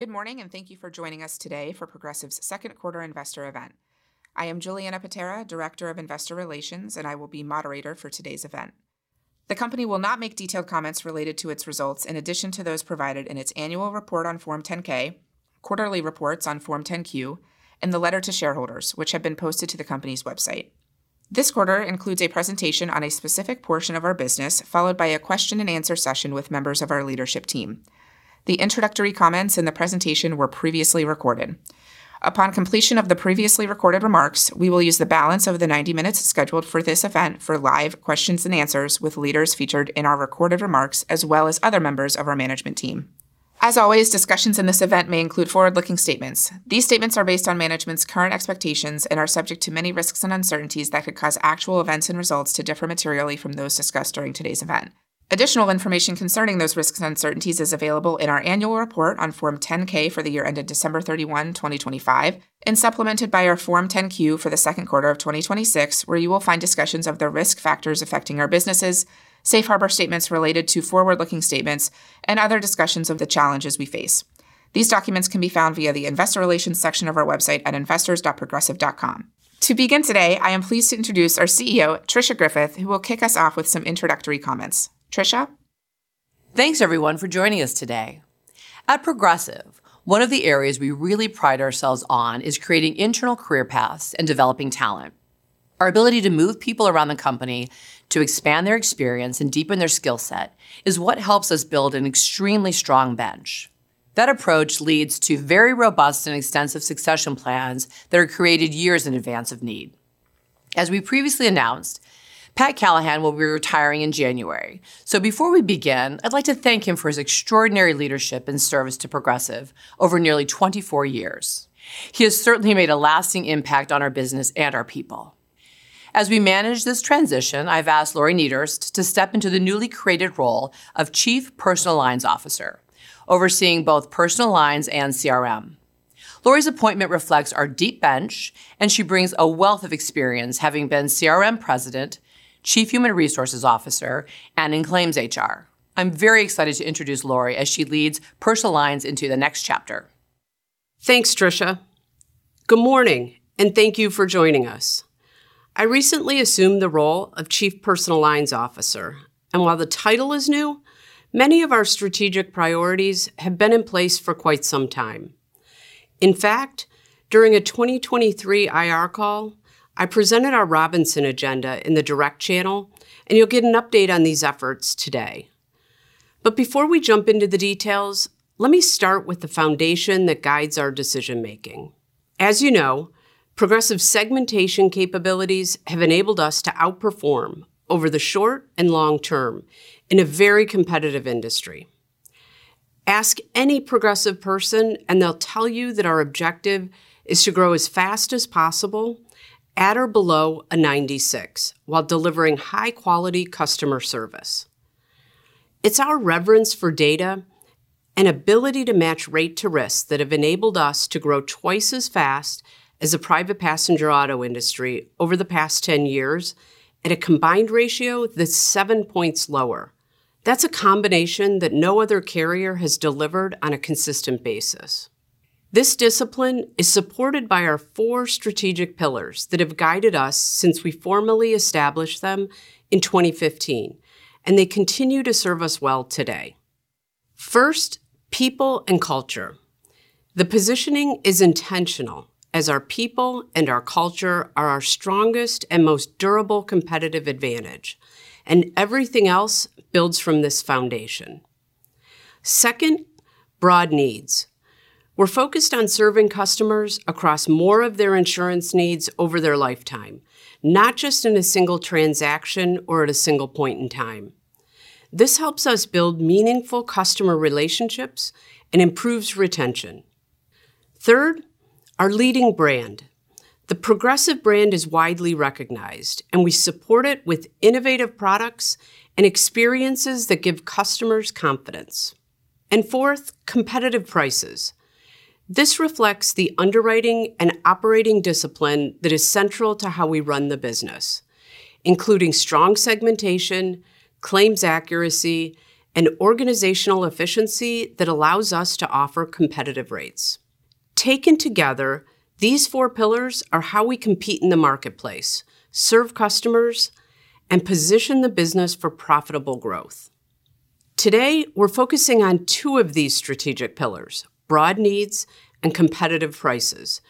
Good morning. Thank you for joining us today for Progressive's second quarter investor event. I am Juliana Patera, Director of Investor Relations, and I will be moderator for today's event. The company will not make detailed comments related to its results in addition to those provided in its annual report on Form 10-K, quarterly reports on Form 10-Q, and the letter to shareholders, which have been posted to the company's website. This quarter includes a presentation on a specific portion of our business, followed by a question-and-answer session with members of our leadership team. The introductory comments and the presentation were previously recorded. Upon completion of the previously recorded remarks, we will use the balance of the 90 minutes scheduled for this event for live questions-and-answers with leaders featured in our recorded remarks, as well as other members of our management team. As always, discussions in this event may include forward-looking statements. These statements are based on management's current expectations and are subject to many risks and uncertainties that could cause actual events and results to differ materially from those discussed during today's event. Additional information concerning those risks and uncertainties is available in our annual report on Form 10-K for the year ended December 31, 2025, and supplemented by our Form 10-Q for the second quarter of 2026, where you will find discussions of the risk factors affecting our businesses, Safe Harbor statements related to forward-looking statements, and other discussions of the challenges we face. These documents can be found via the Investor Relations section of our website at investors.progressive.com. To begin today, I am pleased to introduce our CEO, Tricia Griffith, who will kick us off with some introductory comments. Tricia? Thanks, everyone, for joining us today. At Progressive, one of the areas we really pride ourselves on is creating internal career paths and developing talent. Our ability to move people around the company to expand their experience and deepen their skillset is what helps us build an extremely strong bench. That approach leads to very robust and extensive succession plans that are created years in advance of need. As we previously announced, Pat Callahan will be retiring in January. Before we begin, I'd like to thank him for his extraordinary leadership and service to Progressive over nearly 24 years. He has certainly made a lasting impact on our business and our people. As we manage this transition, I've asked Lori Niederst to step into the newly created role of Chief Personal Lines Officer, overseeing both Personal Lines and CRM. Lori's appointment reflects our deep bench. She brings a wealth of experience, having been CRM President, Chief Human Resources Officer, and In-Claims HR. I'm very excited to introduce Lori as she leads Personal Lines into the next chapter. Thanks, Tricia. Good morning, and thank you for joining us. I recently assumed the role of Chief Personal Lines Officer, and while the title is new, many of our strategic priorities have been in place for quite some time. In fact, during a 2023 IR call, I presented our Robinsons agenda in the direct channel, and you'll get an update on these efforts today. Before we jump into the details, let me start with the foundation that guides our decision-making. As you know, Progressive segmentation capabilities have enabled us to outperform over the short and long term in a very competitive industry. Ask any Progressive person, and they'll tell you that our objective is to grow as fast as possible at or below a 96% while delivering high-quality customer service. It's our reverence for data and ability to match rate to risk that have enabled us to grow twice as fast as a private passenger auto industry over the past 10 years at a combined ratio that's 7 points lower. That's a combination that no other carrier has delivered on a consistent basis. This discipline is supported by our four strategic pillars that have guided us since we formally established them in 2015, and they continue to serve us well today. First, people and culture. The positioning is intentional, as our people and our culture are our strongest and most durable competitive advantage, and everything else builds from this foundation. Second, broad needs. We're focused on serving customers across more of their insurance needs over their lifetime, not just in a single transaction or at a single point in time. This helps us build meaningful customer relationships and improves retention. Third, our leading brand. The Progressive brand is widely recognized, and we support it with innovative products and experiences that give customers confidence. Fourth, competitive prices. This reflects the underwriting and operating discipline that is central to how we run the business, including strong segmentation, claims accuracy, and organizational efficiency that allows us to offer competitive rates. Taken together, these four pillars are how we compete in the marketplace, serve customers, and position the business for profitable growth. Today, we're focusing on two of these strategic pillars, broad needs and competitive prices,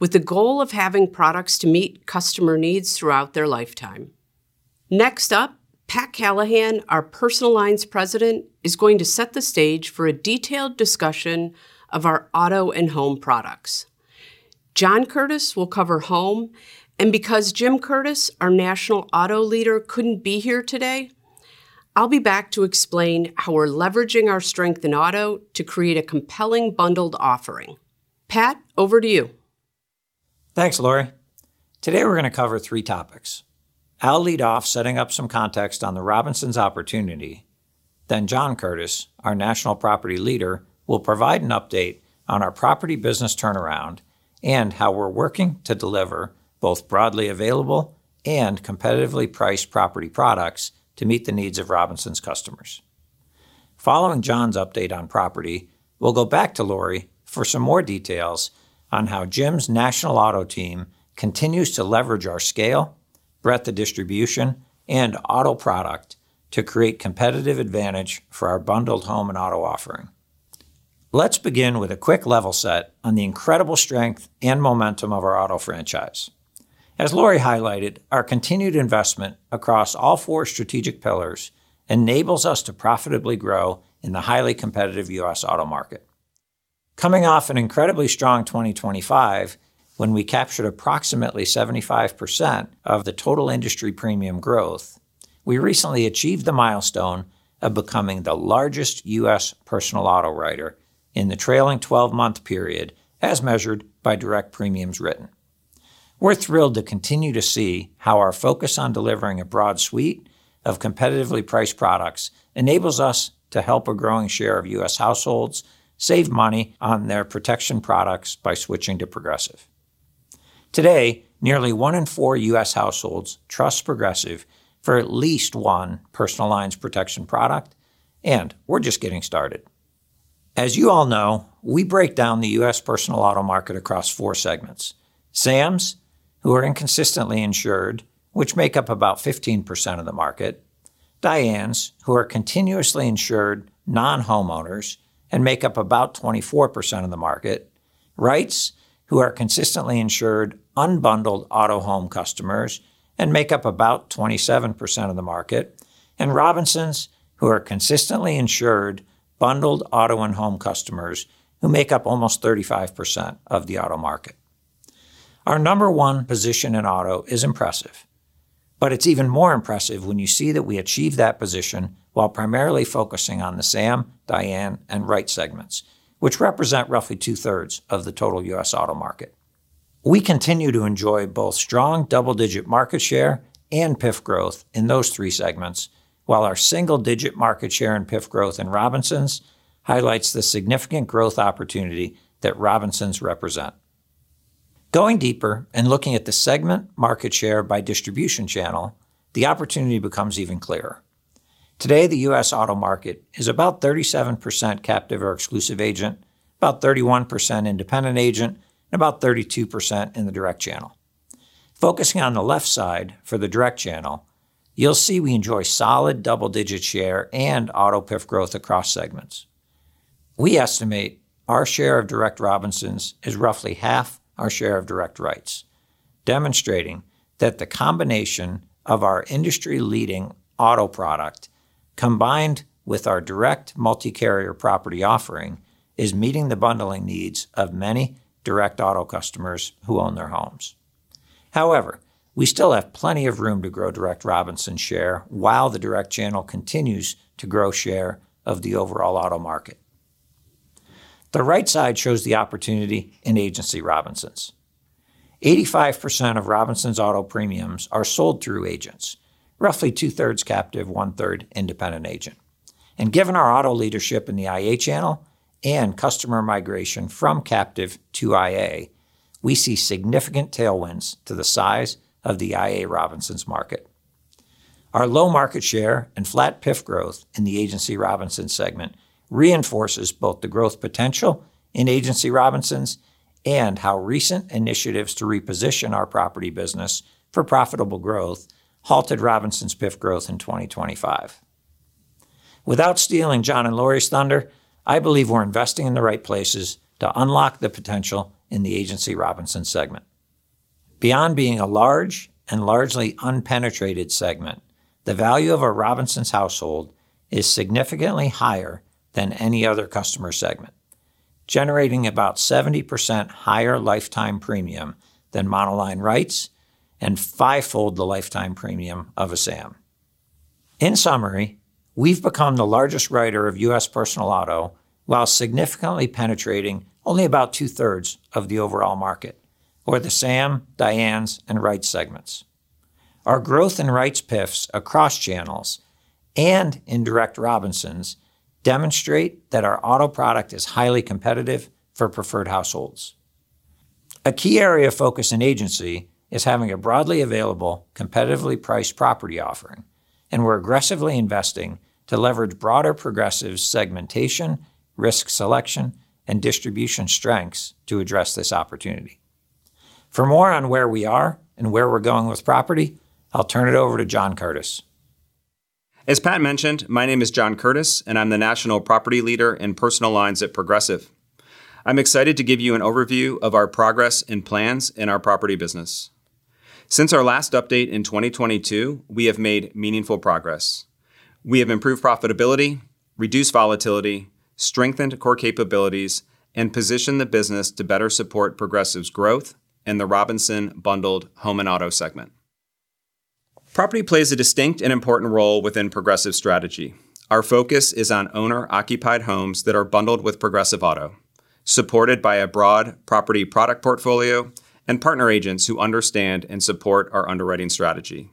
with the goal of having products to meet customer needs throughout their lifetime. Next up, Pat Callahan, our Personal Lines President, is going to set the stage for a detailed discussion of our auto and home products. John Curtis will cover home, and because Jim Curtis, our National Auto Leader, couldn't be here today, I'll be back to explain how we're leveraging our strength in auto to create a compelling bundled offering. Pat, over to you. Thanks, Lori. Today, we're going to cover three topics. I'll lead off setting up some context on the Robinsons opportunity. John Curtis, our National Property Leader, will provide an update on our property business turnaround and how we're working to deliver both broadly available Competitively priced property products to meet the needs of Robinsons customers. Following John's update on property, we'll go back to Lori for some more details on how Jim's National Auto Team continues to leverage our scale, breadth of distribution, and auto product to create competitive advantage for our bundled home and auto offering. Let's begin with a quick level set on the incredible strength and momentum of our auto franchise. As Lori highlighted, our continued investment across all four strategic pillars enables us to profitably grow in the highly competitive U.S. auto market. Coming off an incredibly strong 2025, when we captured approximately 75% of the total industry premium growth, we recently achieved the milestone of becoming the largest U.S. personal auto writer in the trailing 12-month period, as measured by direct premiums written. We're thrilled to continue to see how our focus on delivering a broad suite of competitively priced products enables us to help a growing share of U.S. households save money on their protection products by switching to Progressive. Today, nearly 1:4 U.S. households trust Progressive for at least one personal lines protection product, and we're just getting started. As you all know, we break down the U.S. personal auto market across four segments. Sams, who are inconsistently insured, which make up about 15% of the market, Dianes, who are continuously insured non-homeowners, and make up about 24% of the market, Wrights, who are consistently insured, unbundled auto home customers, and make up about 27% of the market, and Robinsons, who are consistently insured, bundled auto and home customers who make up almost 35% of the auto market. Our number one position in auto is impressive, but it's even more impressive when you see that we achieve that position while primarily focusing on the Sams, Dianes, and Wrights segments, which represent roughly 2/3 of the total U.S. auto market. We continue to enjoy both strong double-digit market share and PIF growth in those three segments, while our single-digit market share and PIF growth in Robinsons highlights the significant growth opportunity that Robinsons represent. Going deeper and looking at the segment market share by distribution channel, the opportunity becomes even clearer. Today, the U.S. auto market is about 37% captive or exclusive agent, about 31% independent agent, and about 32% in the direct channel. Focusing on the left side for the direct channel, you'll see we enjoy solid-double-digit share and auto PIF growth across segments. We estimate our share of direct Robinsons is roughly half our share of direct Wrights, demonstrating that the combination of our industry-leading auto product, combined with our direct multi-carrier property offering, is meeting the bundling needs of many direct auto customers who own their homes. We still have plenty of room to grow direct Robinsons share while the direct channel continues to grow share of the overall auto market. The right side shows the opportunity in agency Robinsons. 85% of Robinsons Auto premiums are sold through agents, roughly 2/3 captive, 1/3 independent agent. Given our auto leadership in the IA channel and customer migration from captive to IA, we see significant tailwinds to the size of the IA Robinsons market. Our low market share and flat PIF growth in the agency Robinsons segment reinforces both the growth potential in agency Robinsons and how recent initiatives to reposition our property business for profitable growth halted Robinsons' PIF growth in 2025. Without stealing John and Lori's thunder, I believe we're investing in the right places to unlock the potential in the agency Robinsons segment. Beyond being a large and largely unpenetrated segment, the value of a Robinsons household is significantly higher than any other customer segment, generating about 70% higher lifetime premium than monoline Wrights and fivefold the lifetime premium of a Sam. In summary, we've become the largest writer of U.S. personal auto while significantly penetrating only about 2/3 of the overall market or the Sams, Dianes, and Wrights segments. Our growth in Wrights PIFs across channels and in direct Robinsons demonstrate that our auto product is highly competitive for preferred households. A key area of focus in agency is having a broadly available, competitively priced property offering, we're aggressively investing to leverage broader Progressive segmentation, risk selection, and distribution strengths to address this opportunity. For more on where we are and where we're going with property, I'll turn it over to John Curtis. As Pat mentioned, my name is John Curtis, I'm the National Property Leader in personal lines at Progressive. I'm excited to give you an overview of our progress and plans in our property business. Since our last update in 2022, we have made meaningful progress. We have improved profitability, reduced volatility, strengthened core capabilities, positioned the business to better support Progressive's growth in the Robinsons bundled home and auto segment. Property plays a distinct and important role within Progressive strategy. Our focus is on owner-occupied homes that are bundled with Progressive Auto, supported by a broad property product portfolio and partner agents who understand and support our underwriting strategy.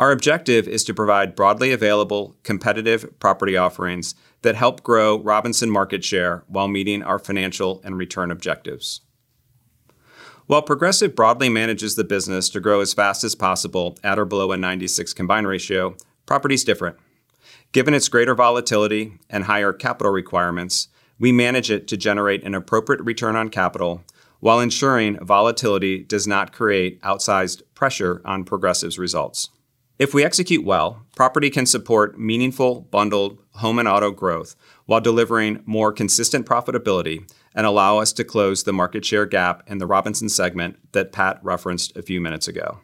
Our objective is to provide broadly available competitive property offerings that help grow Robinsons market share while meeting our financial and return objectives. While Progressive broadly manages the business to grow as fast as possible at or below a 96% combined ratio, property's different. Given its greater volatility and higher capital requirements, we manage it to generate an appropriate return on capital while ensuring volatility does not create outsized pressure on Progressive's results. If we execute well, property can support meaningful bundled home and auto growth while delivering more consistent profitability and allow us to close the market share gap in the Robinson segment that Pat referenced a few minutes ago.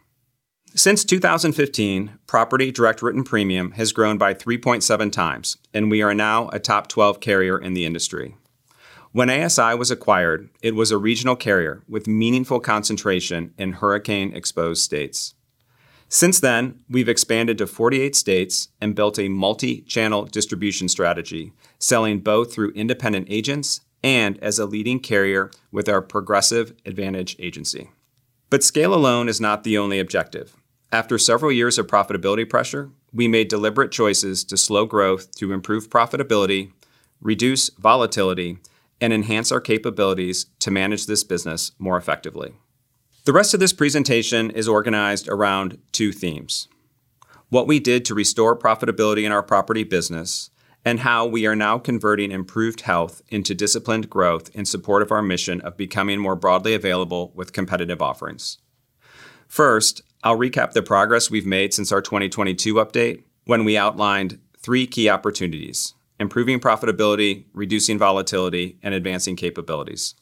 Since 2015, property direct written premium has grown by 3.7x, and we are now a top 12 carrier in the industry. When ASI was acquired, it was a regional carrier with meaningful concentration in hurricane-exposed states. Since then, we've expanded to 48 states and built a multi-channel distribution strategy, selling both through independent agents and as a leading carrier with our Progressive Advantage Agency. Scale alone is not the only objective. After several years of profitability pressure, we made deliberate choices to slow growth to improve profitability, reduce volatility, and enhance our capabilities to manage this business more effectively. The rest of this presentation is organized around two themes, what we did to restore profitability in our property business, and how we are now converting improved health into disciplined growth in support of our mission of becoming more broadly available with competitive offerings. First, I'll recap the progress we've made since our 2022 update when we outlined three key opportunities, improving profitability, reducing volatility, and advancing capabilities.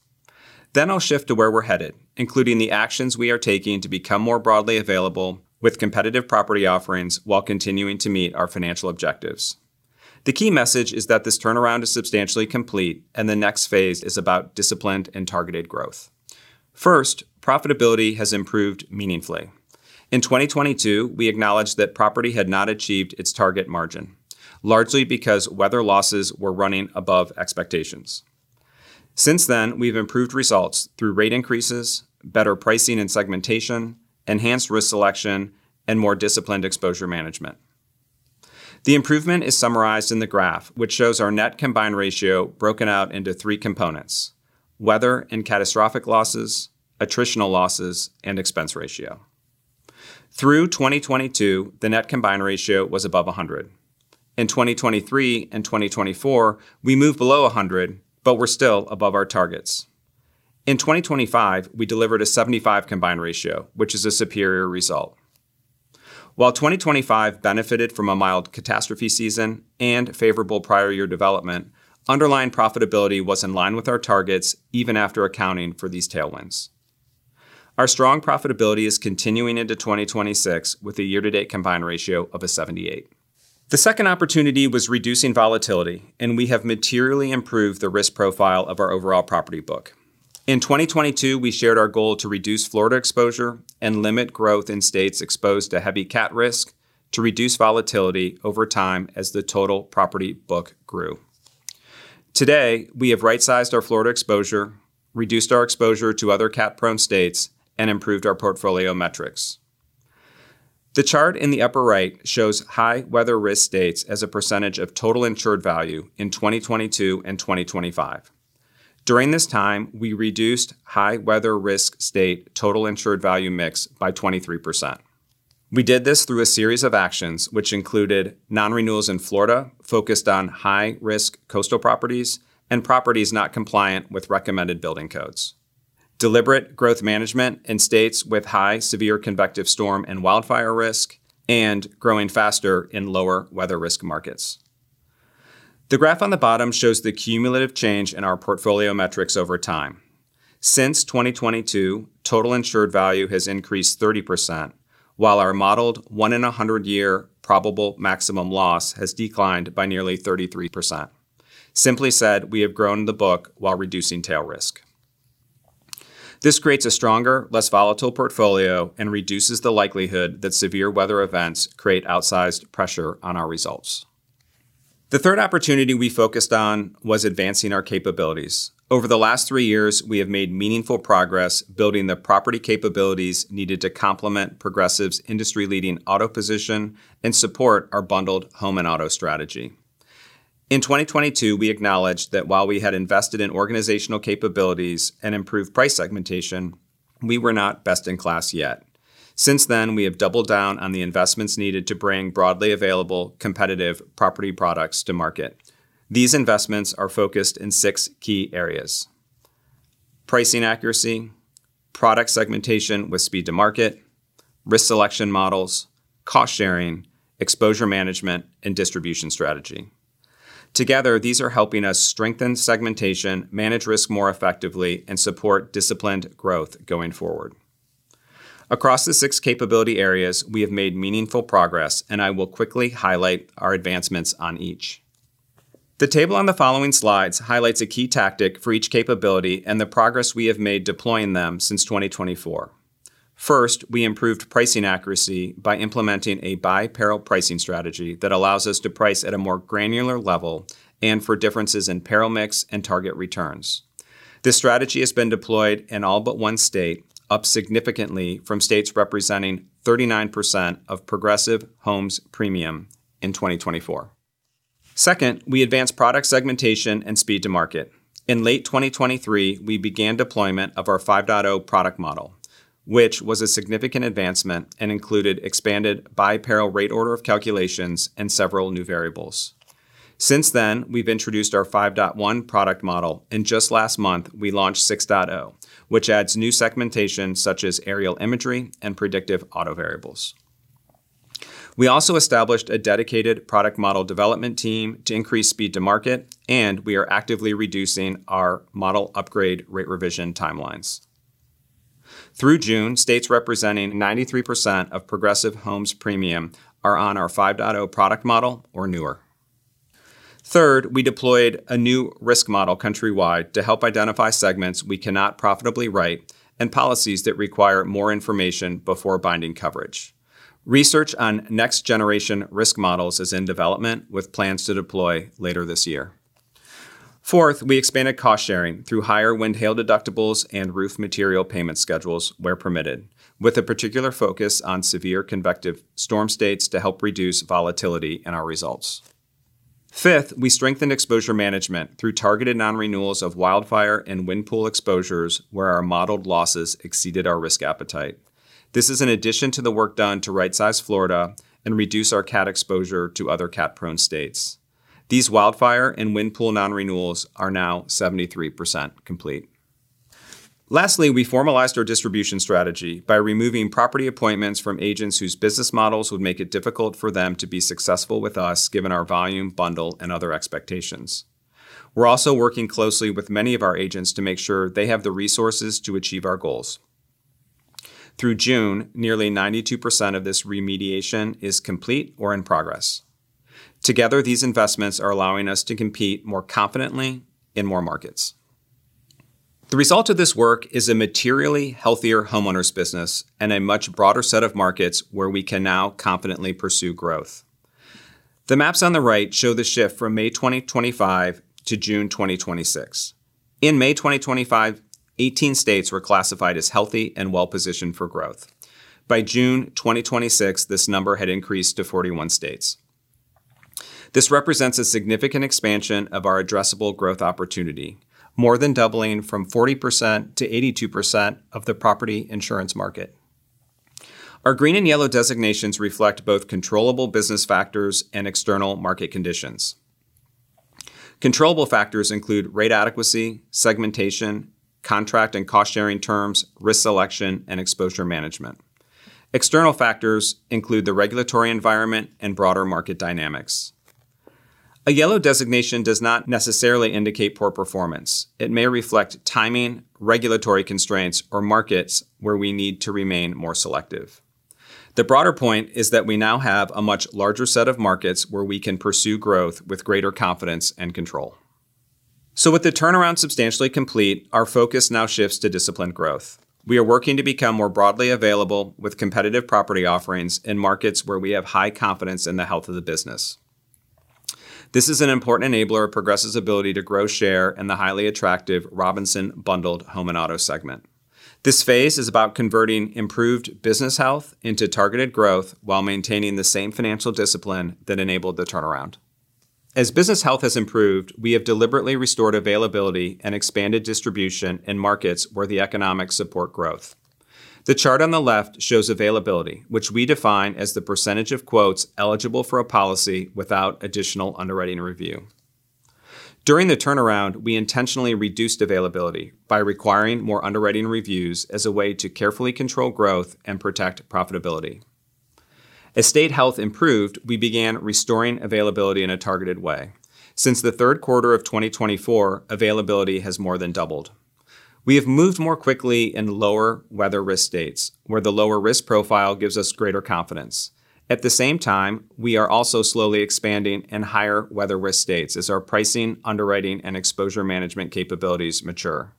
I'll shift to where we're headed, including the actions we are taking to become more broadly available with competitive property offerings while continuing to meet our financial objectives. The key message is that this turnaround is substantially complete, and the next phase is about disciplined and targeted growth. First, profitability has improved meaningfully. In 2022, we acknowledged that property had not achieved its target margin, largely because weather losses were running above expectations. Since then, we've improved results through rate increases, better pricing and segmentation, enhanced risk selection, and more disciplined exposure management. The improvement is summarized in the graph, which shows our net combined ratio broken out into three components, weather and catastrophic losses, attritional losses, and expense ratio. Through 2022, the net combined ratio was above 100%. In 2023 and 2024, we moved below 100%, but we're still above our targets. In 2025, we delivered a 75% combined ratio, which is a superior result. While 2025 benefited from a mild catastrophe season and favorable prior year development, underlying profitability was in line with our targets, even after accounting for these tailwinds. Our strong profitability is continuing into 2026 with a year-to-date combined ratio of a 78%. The second opportunity was reducing volatility, and we have materially improved the risk profile of our overall property book. In 2022, we shared our goal to reduce Florida exposure and limit growth in states exposed to heavy cat risk to reduce volatility over time as the total property book grew. Today, we have right-sized our Florida exposure, reduced our exposure to other cat-prone states, and improved our portfolio metrics. The chart in the upper right shows high weather risk states as a percentage of total insured value in 2022 and 2025. During this time, we reduced high weather risk state total insured value mix by 23%. We did this through a series of actions which included non-renewals in Florida focused on high-risk coastal properties and properties not compliant with recommended building codes, deliberate growth management in states with high severe convective storm and wildfire risk, and growing faster in lower weather risk markets. The graph on the bottom shows the cumulative change in our portfolio metrics over time. Since 2022, total insured value has increased 30%, while our modeled one-in-100 year probable maximum loss has declined by nearly 33%. Simply said, we have grown the book while reducing tail risk. This creates a stronger, less volatile portfolio and reduces the likelihood that severe weather events create outsized pressure on our results. The third opportunity we focused on was advancing our capabilities. Over the last three years, we have made meaningful progress building the property capabilities needed to complement Progressive's industry-leading auto position and support our bundled home and auto strategy. In 2022, we acknowledged that while we had invested in organizational capabilities and improved price segmentation, we were not best in class yet. Since then, we have doubled down on the investments needed to bring broadly available competitive property products to market. These investments are focused in six key areas, pricing accuracy, product segmentation with speed to market, risk selection models, cost-sharing, exposure management, and distribution strategy. Together, these are helping us strengthen segmentation, manage risk more effectively, and support disciplined growth going forward. Across the six capability areas, we have made meaningful progress, and I will quickly highlight our advancements on each. The table on the following slides highlights a key tactic for each capability and the progress we have made deploying them since 2024. First, we improved pricing accuracy by implementing a by-peril pricing strategy that allows us to price at a more granular level and for differences in peril mix and target returns. This strategy has been deployed in all but one state, up significantly from states representing 39% of Progressive homes premium in 2024. Second, we advanced product segmentation and speed to market. In late 2023, we began deployment of our 5.0 product model, which was a significant advancement and included expanded bi-peril rate order of calculations and several new variables. Since then, we've introduced our 5.1 product model, and just last month we launched 6.0 product model, which adds new segmentation such as aerial imagery and predictive auto variables. We also established a dedicated product model development team to increase speed to market, and we are actively reducing our model upgrade rate revision timelines. Through June, states representing 93% of Progressive homes premium are on our 5.0 product model or newer. Third, we deployed a new risk model countrywide to help identify segments we cannot profitably write and policies that require more information before binding coverage. Research on next-generation risk models is in development with plans to deploy later this year. Fourth, we expanded cost-sharing through higher wind/hail deductibles and roof material payment schedules where permitted, with a particular focus on severe convective storm states to help reduce volatility in our results. Fifth, we strengthened exposure management through targeted nonrenewals of wildfire and wind pool exposures where our modeled losses exceeded our risk appetite. This is in addition to the work done to right-size Florida and reduce our cat exposure to other cat-prone states. These wildfire and wind pool nonrenewals are now 73% complete. We formalized our distribution strategy by removing property appointments from agents whose business models would make it difficult for them to be successful with us, given our volume, bundle, and other expectations. We're also working closely with many of our agents to make sure they have the resources to achieve our goals. Through June, nearly 92% of this remediation is complete or in progress. Together, these investments are allowing us to compete more confidently in more markets. The result of this work is a materially healthier homeowners business and a much broader set of markets where we can now confidently pursue growth. The maps on the right show the shift from May 2025 to June 2026. In May 2025, 18 states were classified as healthy and well-positioned for growth. By June 2026, this number had increased to 41 states. This represents a significant expansion of our addressable growth opportunity, more than doubling from 40% to 82% of the property insurance market. Our green and yellow designations reflect both controllable business factors and external market conditions. Controllable factors include rate adequacy, segmentation, contract and cost-sharing terms, risk selection, and exposure management. External factors include the regulatory environment and broader market dynamics. A yellow designation does not necessarily indicate poor performance. It may reflect timing, regulatory constraints, or markets where we need to remain more selective. The broader point is that we now have a much larger set of markets where we can pursue growth with greater confidence and control. With the turnaround substantially complete, our focus now shifts to disciplined growth. We are working to become more broadly available with competitive property offerings in markets where we have high confidence in the health of the business. This is an important enabler of Progressive's ability to grow share in the highly attractive Robinsons bundled home and auto segment. This phase is about converting improved business health into targeted growth while maintaining the same financial discipline that enabled the turnaround. As business health has improved, we have deliberately restored availability and expanded distribution in markets where the economics support growth. The chart on the left shows availability, which we define as the percentage of quotes eligible for a policy without additional underwriting review. During the turnaround, we intentionally reduced availability by requiring more underwriting reviews as a way to carefully control growth and protect profitability. As state health improved, we began restoring availability in a targeted way. Since the third quarter of 2024, availability has more than doubled. We have moved more quickly in lower weather risk states, where the lower risk profile gives us greater confidence. We are also slowly expanding in higher weather risk states as our pricing, underwriting, and exposure management capabilities mature.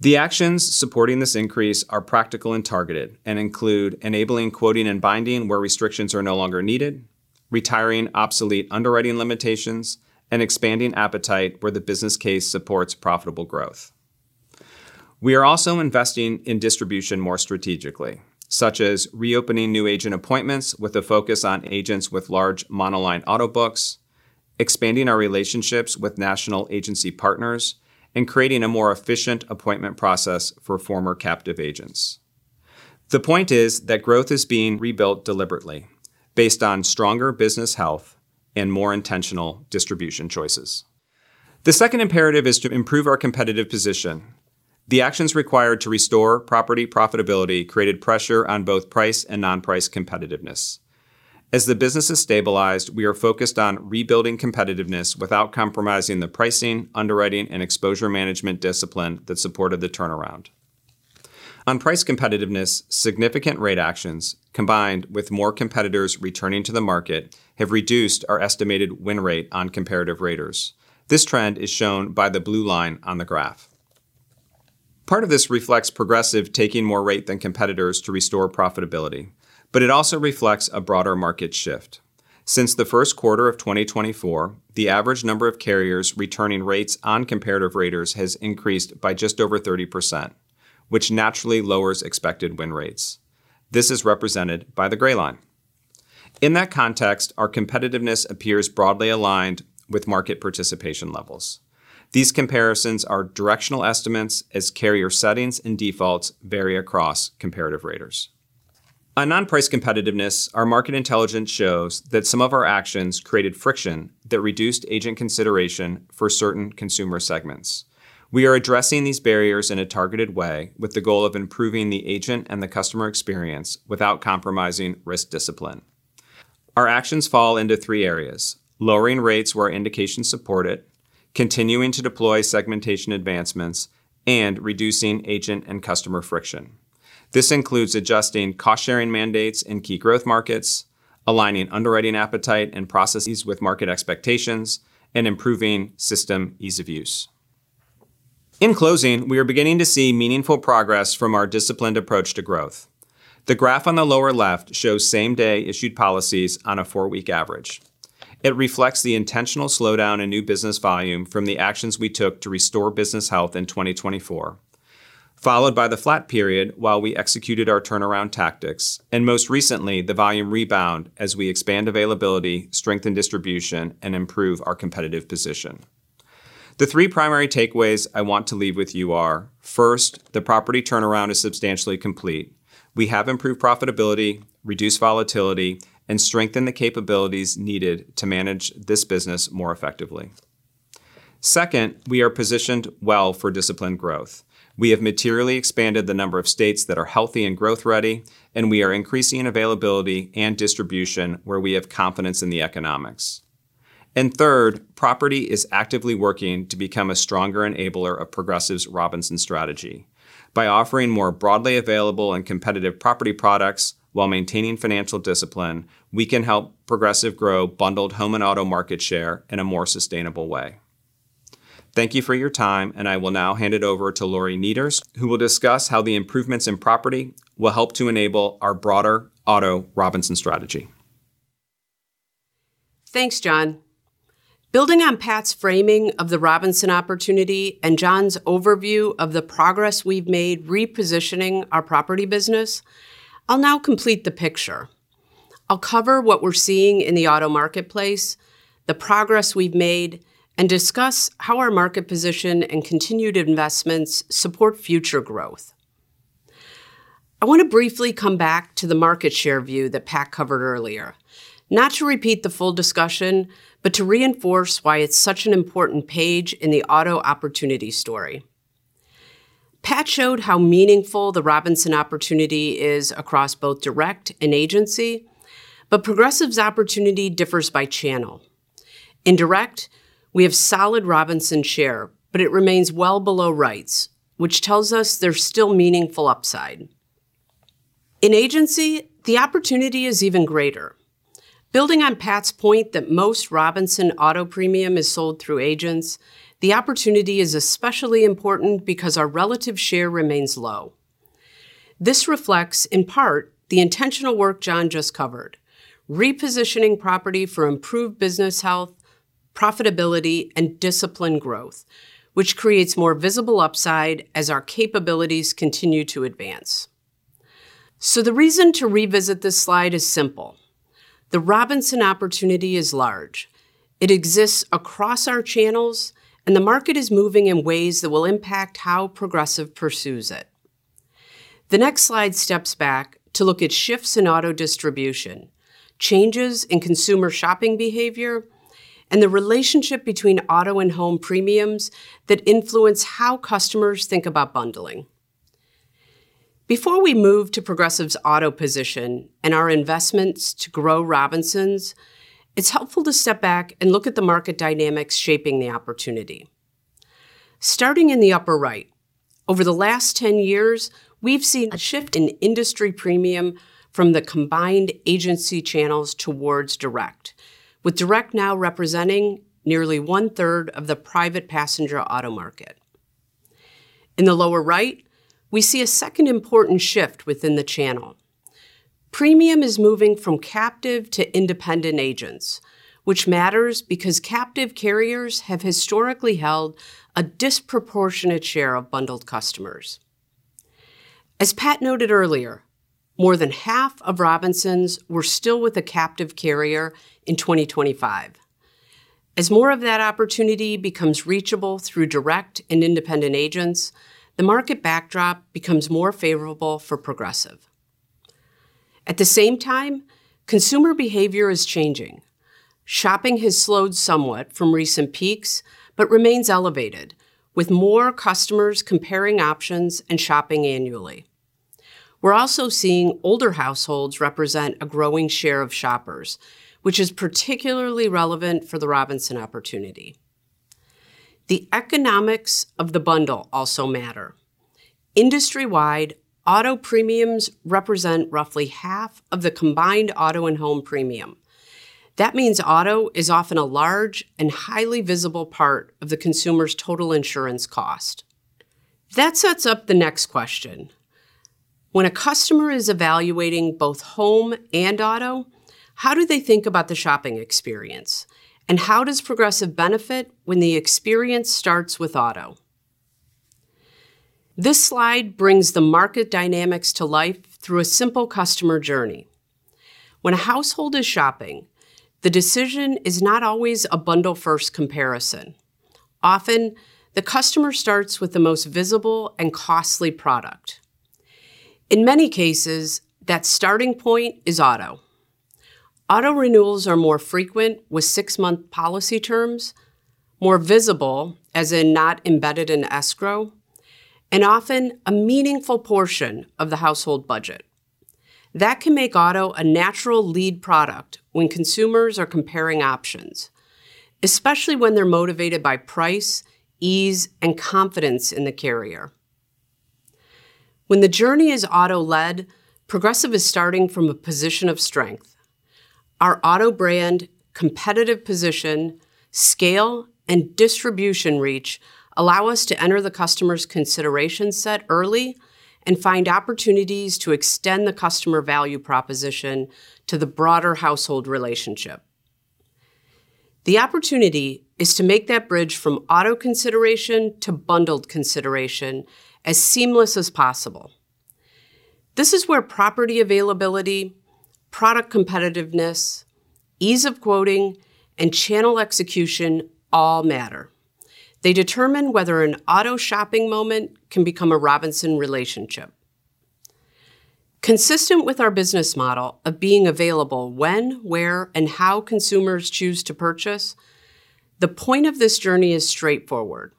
The actions supporting this increase are practical and targeted and include enabling quoting and binding where restrictions are no longer needed, retiring obsolete underwriting limitations, and expanding appetite where the business case supports profitable growth. We are also investing in distribution more strategically, such as reopening new agent appointments with a focus on agents with large monoline auto books, expanding our relationships with national agency partners, and creating a more efficient appointment process for former captive agents. Growth is being rebuilt deliberately based on stronger business health and more intentional distribution choices. The second imperative is to improve our competitive position. The actions required to restore property profitability created pressure on both price and non-price competitiveness. As the business has stabilized, we are focused on rebuilding competitiveness without compromising the pricing, underwriting, and exposure management discipline that supported the turnaround. On price competitiveness, significant rate actions, combined with more competitors returning to the market, have reduced our estimated win rate on comparative raters. This trend is shown by the blue line on the graph. Part of this reflects Progressive taking more rate than competitors to restore profitability, but it also reflects a broader market shift. Since the first quarter of 2024, the average number of carriers returning rates on comparative raters has increased by just over 30%, which naturally lowers expected win rates. This is represented by the gray line. In that context, our competitiveness appears broadly aligned with market participation levels. These comparisons are directional estimates as carrier settings and defaults vary across comparative raters. On non-price competitiveness, our market intelligence shows that some of our actions created friction that reduced agent consideration for certain consumer segments. We are addressing these barriers in a targeted way, with the goal of improving the agent and the customer experience without compromising risk discipline. Our actions fall into three areas: lowering rates where indications support it, continuing to deploy segmentation advancements, and reducing agent and customer friction. This includes adjusting cost-sharing mandates in key growth markets, aligning underwriting appetite and processes with market expectations, and improving system ease of use. In closing, we are beginning to see meaningful progress from our disciplined approach to growth. The graph on the lower left shows same-day issued policies on a four-week average. It reflects the intentional slowdown in new business volume from the actions we took to restore business health in 2024, followed by the flat period while we executed our turnaround tactics, and most recently, the volume rebound as we expand availability, strengthen distribution, and improve our competitive position. The three primary takeaways I want to leave with you are, first, the property turnaround is substantially complete. We have improved profitability, reduced volatility, and strengthened the capabilities needed to manage this business more effectively. Second, we are positioned well for disciplined growth. We have materially expanded the number of states that are healthy and growth-ready, and we are increasing availability and distribution where we have confidence in the economics. Third, property is actively working to become a stronger enabler of Progressive's Robinsons strategy. By offering more broadly available and competitive property products while maintaining financial discipline, we can help Progressive grow bundled home and auto market share in a more sustainable way. Thank you for your time. I will now hand it over to Lori Niederst, who will discuss how the improvements in property will help to enable our broader auto Robinsons strategy. Thanks, John. Building on Pat's framing of the Robinsons opportunity and John's overview of the progress we've made repositioning our property business, I'll now complete the picture. I'll cover what we're seeing in the auto marketplace, the progress we've made, and discuss how our market position and continued investments support future growth. I want to briefly come back to the market share view that Pat covered earlier. To reinforce why it's such an important page in the auto opportunity story. Pat showed how meaningful the Robinsons opportunity is across both direct and agency, Progressive's opportunity differs by channel. In direct, we have solid Robinsons share, but it remains well below Wrights, which tells us there's still meaningful upside. In agency, the opportunity is even greater. Building on Pat's point that most Robinsons Auto premium is sold through agents, the opportunity is especially important because our relative share remains low. This reflects, in part, the intentional work John just covered. Repositioning property for improved business health, profitability, and disciplined growth, which creates more visible upside as our capabilities continue to advance. The reason to revisit this slide is simple. The Robinsons opportunity is large. It exists across our channels, and the market is moving in ways that will impact how Progressive pursues it. The next slide steps back to look at shifts in auto distribution, changes in consumer shopping behavior, and the relationship between auto and home premiums that influence how customers think about bundling. Before we move to Progressive's auto position and our investments to grow Robinsons, it's helpful to step back and look at the market dynamics shaping the opportunity. Starting in the upper right, over the last 10 years, we've seen a shift in industry premium from the combined agency channels towards direct, with direct now representing nearly 1/3 of the private passenger auto market. In the lower right, we see a second important shift within the channel. Premium is moving from captive to independent agents, which matters because captive carriers have historically held a disproportionate share of bundled customers. Pat noted earlier, more than half of Robinsons were still with a captive carrier in 2025. More of that opportunity becomes reachable through direct and independent agents, the market backdrop becomes more favorable for Progressive. At the same time, consumer behavior is changing. Shopping has slowed somewhat from recent peaks, but remains elevated, with more customers comparing options and shopping annually. We're also seeing older households represent a growing share of shoppers, which is particularly relevant for the Robinsons opportunity. The economics of the bundle also matter. Industry-wide, auto premiums represent roughly half of the combined auto and home premium. That means auto is often a large and highly visible part of the consumer's total insurance cost. That sets up the next question. When a customer is evaluating both home and auto, how do they think about the shopping experience? How does Progressive benefit when the experience starts with auto? This slide brings the market dynamics to life through a simple customer journey. When a household is shopping, the decision is not always a bundle-first comparison. Often, the customer starts with the most visible and costly product. In many cases, that starting point is auto. Auto renewals are more frequent, with six-month policy terms, more visible, as in not embedded in escrow, and often a meaningful portion of the household budget. That can make auto a natural lead product when consumers are comparing options, especially when they're motivated by price, ease, and confidence in the carrier. When the journey is auto-led, Progressive is starting from a position of strength. Our auto brand competitive position, scale, and distribution reach allow us to enter the customer's consideration set early and find opportunities to extend the customer value proposition to the broader household relationship. The opportunity is to make that bridge from auto consideration to bundled consideration as seamless as possible. This is where property availability, product competitiveness, ease of quoting, and channel execution all matter. They determine whether an auto shopping moment can become a Robinson relationship. Consistent with our business model of being available when, where, and how consumers choose to purchase, the point of this journey is straightforward.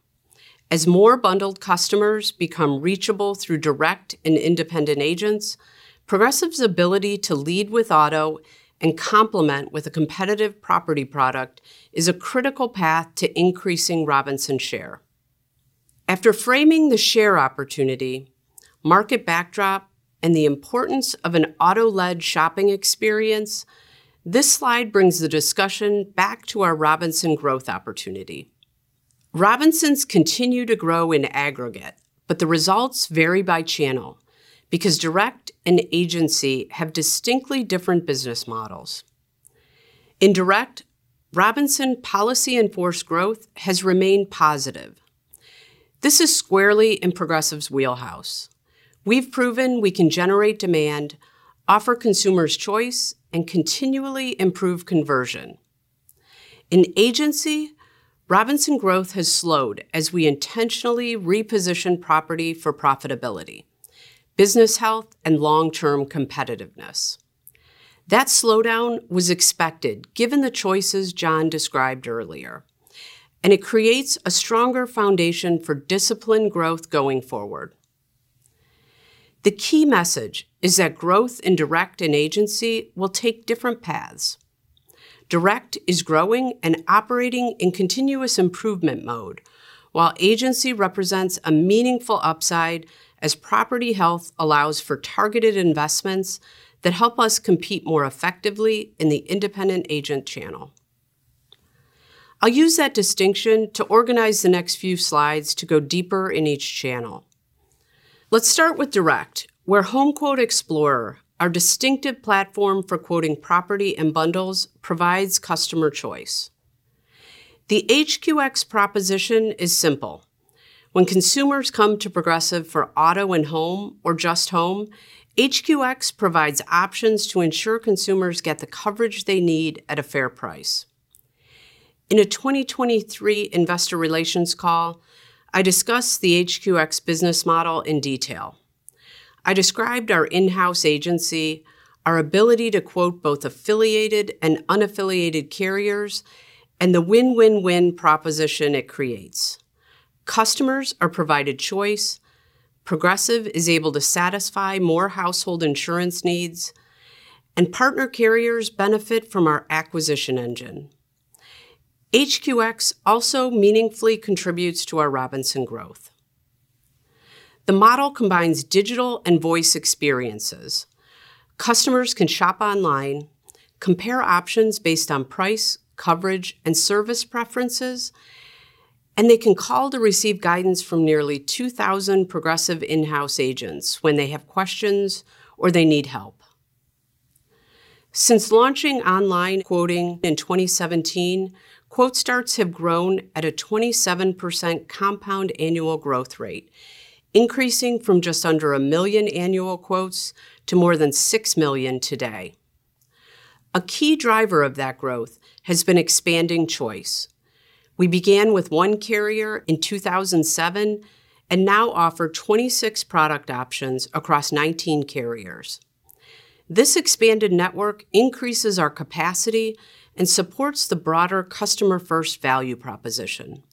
As more bundled customers become reachable through direct and independent agents, Progressive's ability to lead with auto and complement with a competitive property product is a critical path to increasing Robinson share. After framing the share opportunity, market backdrop, and the importance of an auto-led shopping experience, this slide brings the discussion back to our Robinson growth opportunity. Robinsons continue to grow in aggregate, but the results vary by channel because direct and agency have distinctly different business models. In direct, Robinson policy in force growth has remained positive. This is squarely in Progressive's wheelhouse. We've proven we can generate demand, offer consumers choice, and continually improve conversion. In agency, Robinson growth has slowed as we intentionally reposition property for profitability, business health, and long-term competitiveness. That slowdown was expected given the choices John described earlier, and it creates a stronger foundation for disciplined growth going forward. The key message is that growth in direct and agency will take different paths. Direct is growing and operating in continuous improvement mode, while agency represents a meaningful upside as property health allows for targeted investments that help us compete more effectively in the independent agent channel. I'll use that distinction to organize the next few slides to go deeper in each channel. Let's start with direct, where HomeQuote Explorer, our distinctive platform for quoting property and bundles, provides customer choice. The HQX proposition is simple. When consumers come to Progressive for auto and home or just home, HQX provides options to ensure consumers get the coverage they need at a fair price. In a 2023 Investor Relations call, I discussed the HQX business model in detail. I described our in-house agency, our ability to quote both affiliated and unaffiliated carriers, and the win-win-win proposition it creates. Customers are provided choice, Progressive is able to satisfy more household insurance needs, and partner carriers benefit from our acquisition engine. HQX also meaningfully contributes to our Robinson growth. The model combines digital and voice experiences. Customers can shop online, compare options based on price, coverage, and service preferences, and they can call to receive guidance from nearly 2,000 Progressive in-house agents when they have questions or they need help. Since launching online quoting in 2017, quote starts have grown at a 27% compound annual growth rate, increasing from just under a million annual quotes to more than 6 million today. A key driver of that growth has been expanding choice. We began with one carrier in 2007 and now offer 26 product options across 19 carriers. This expanded network increases our capacity and supports the broader customer-first value proposition.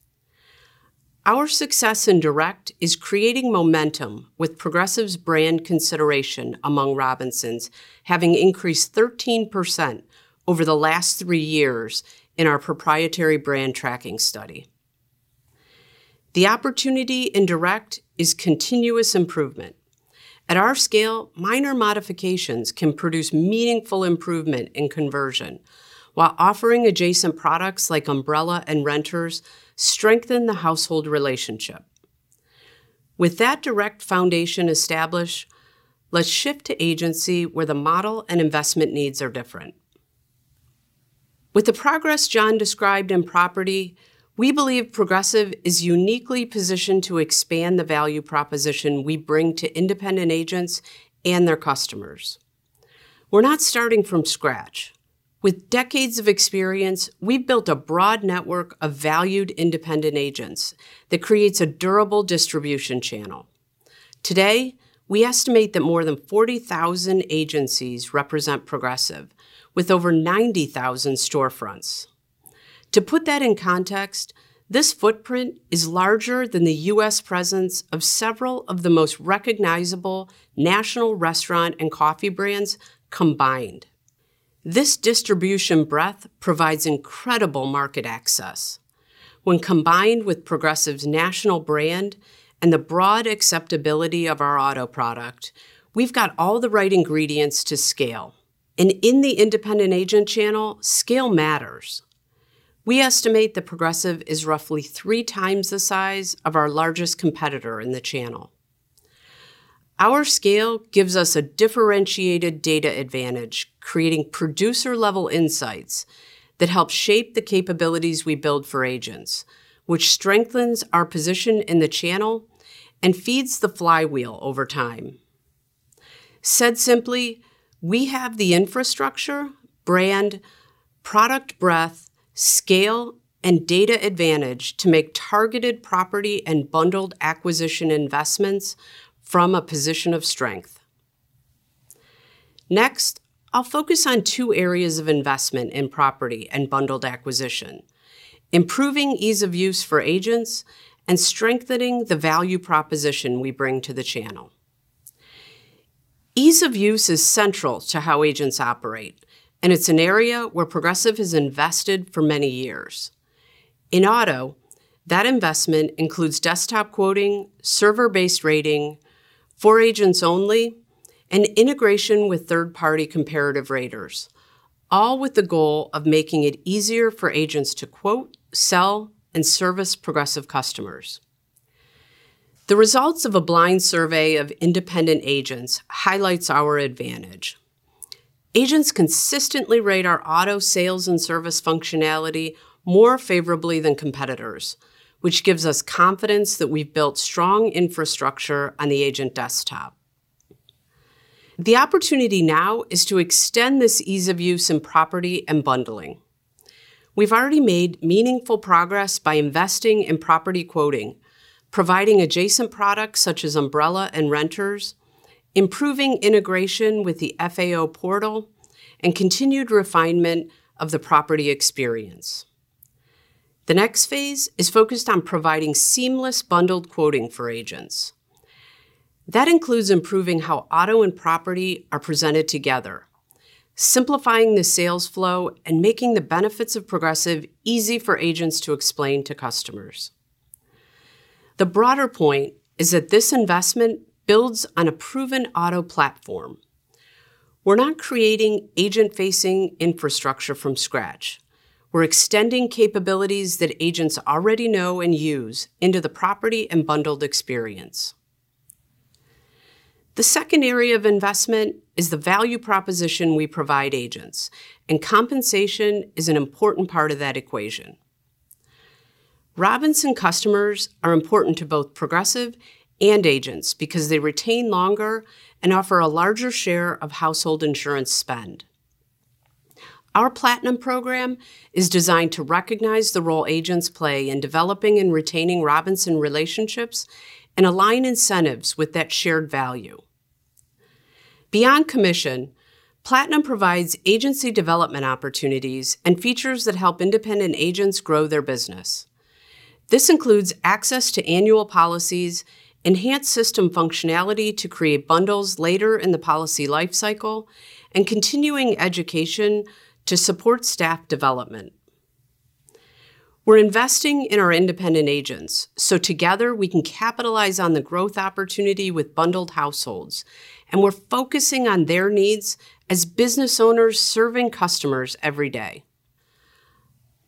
Our success in direct is creating momentum with Progressive's brand consideration among Robinsons, having increased 13% over the last three years in our proprietary brand tracking study. The opportunity in direct is continuous improvement. At our scale, minor modifications can produce meaningful improvement in conversion, while offering adjacent products like umbrella and renters strengthen the household relationship. With that direct foundation established, let's shift to agency where the model and investment needs are different. With the progress John described in property, we believe Progressive is uniquely positioned to expand the value proposition we bring to independent agents and their customers. We're not starting from scratch. With decades of experience, we've built a broad network of valued independent agents that creates a durable distribution channel. Today, we estimate that more than 40,000 agencies represent Progressive, with over 90,000 storefronts. To put that in context, this footprint is larger than the U.S. presence of several of the most recognizable national restaurant and coffee brands combined. This distribution breadth provides incredible market access. When combined with Progressive's national brand and the broad acceptability of our auto product, we've got all the right ingredients to scale. In the independent agent channel, scale matters. We estimate that Progressive is roughly three times the size of our largest competitor in the channel. Our scale gives us a differentiated data advantage, creating producer-level insights that help shape the capabilities we build for agents, which strengthens our position in the channel and feeds the flywheel over time. Said simply, we have the infrastructure, brand, product breadth, scale, and data advantage to make targeted property and bundled acquisition investments from a position of strength. Next, I'll focus on two areas of investment in property and bundled acquisition, improving ease of use for agents, and strengthening the value proposition we bring to the channel. Ease of use is central to how agents operate, and it's an area where Progressive has invested for many years. In auto, that investment includes desktop quoting, server-based rating, ForAgentsOnly, and integration with third-party comparative raters, all with the goal of making it easier for agents to quote, sell, and service Progressive customers. The results of a blind survey of independent agents highlights our advantage. Agents consistently rate our auto sales and service functionality more favorably than competitors, which gives us confidence that we've built strong infrastructure on the agent desktop. The opportunity now is to extend this ease of use in property and bundling. We've already made meaningful progress by investing in property quoting, providing adjacent products such as umbrella and renters, improving integration with the FAO portal, and continued refinement of the property experience. The next phase is focused on providing seamless bundled quoting for agents. That includes improving how auto and property are presented together, simplifying the sales flow, and making the benefits of Progressive easy for agents to explain to customers. The broader point is that this investment builds on a proven auto platform. We're not creating agent-facing infrastructure from scratch. We're extending capabilities that agents already know and use into the property and bundled experience. The second area of investment is the value proposition we provide agents, and compensation is an important part of that equation. Robinson customers are important to both Progressive and agents because they retain longer and offer a larger share of household insurance spend. Our Platinum program is designed to recognize the role agents play in developing and retaining Robinson relationships and align incentives with that shared value. Beyond commission, Platinum provides agency development opportunities and features that help independent agents grow their business. This includes access to annual policies, enhanced system functionality to create bundles later in the policy life cycle, and continuing education to support staff development. We're investing in our independent agents, so together we can capitalize on the growth opportunity with bundled households, and we're focusing on their needs as business owners serving customers every day.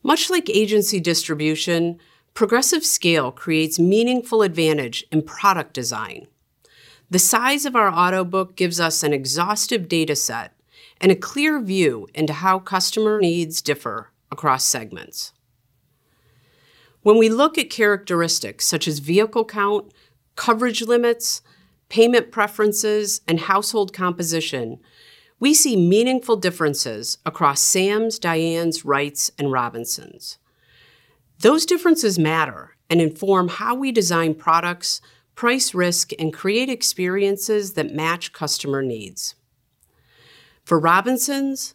Much like agency distribution, Progressive Scale creates meaningful advantage in product design. The size of our auto book gives us an exhaustive data set and a clear view into how customer needs differ across segments. When we look at characteristics such as vehicle count, coverage limits, payment preferences, and household composition, we see meaningful differences across Sams, Dianes, Wrights, and Robinsons. Those differences matter and inform how we design products, price risk, and create experiences that match customer needs. For Robinsons,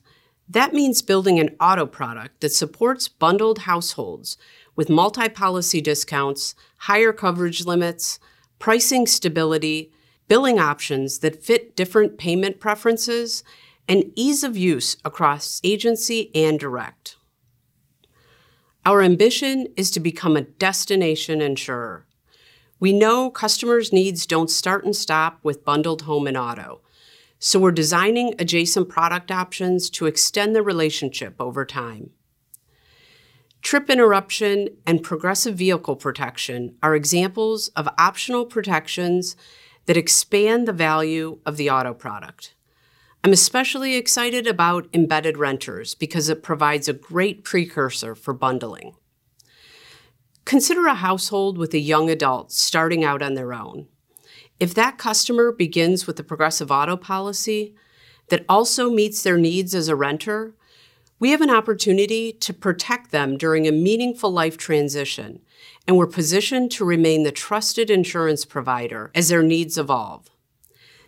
that means building an auto product that supports bundled households with multi-policy discounts, higher coverage limits, pricing stability, billing options that fit different payment preferences, and ease of use across agency and direct. Our ambition is to become a destination insurer. We know customers' needs don't start and stop with bundled home and auto, so we're designing adjacent product options to extend the relationship over time. Trip interruption and Progressive Vehicle Protection are examples of optional protections that expand the value of the auto product. I'm especially excited about embedded renters because it provides a great precursor for bundling. Consider a household with a young adult starting out on their own. If that customer begins with the Progressive Auto policy that also meets their needs as a renter, we have an opportunity to protect them during a meaningful life transition, and we're positioned to remain the trusted insurance provider as their needs evolve.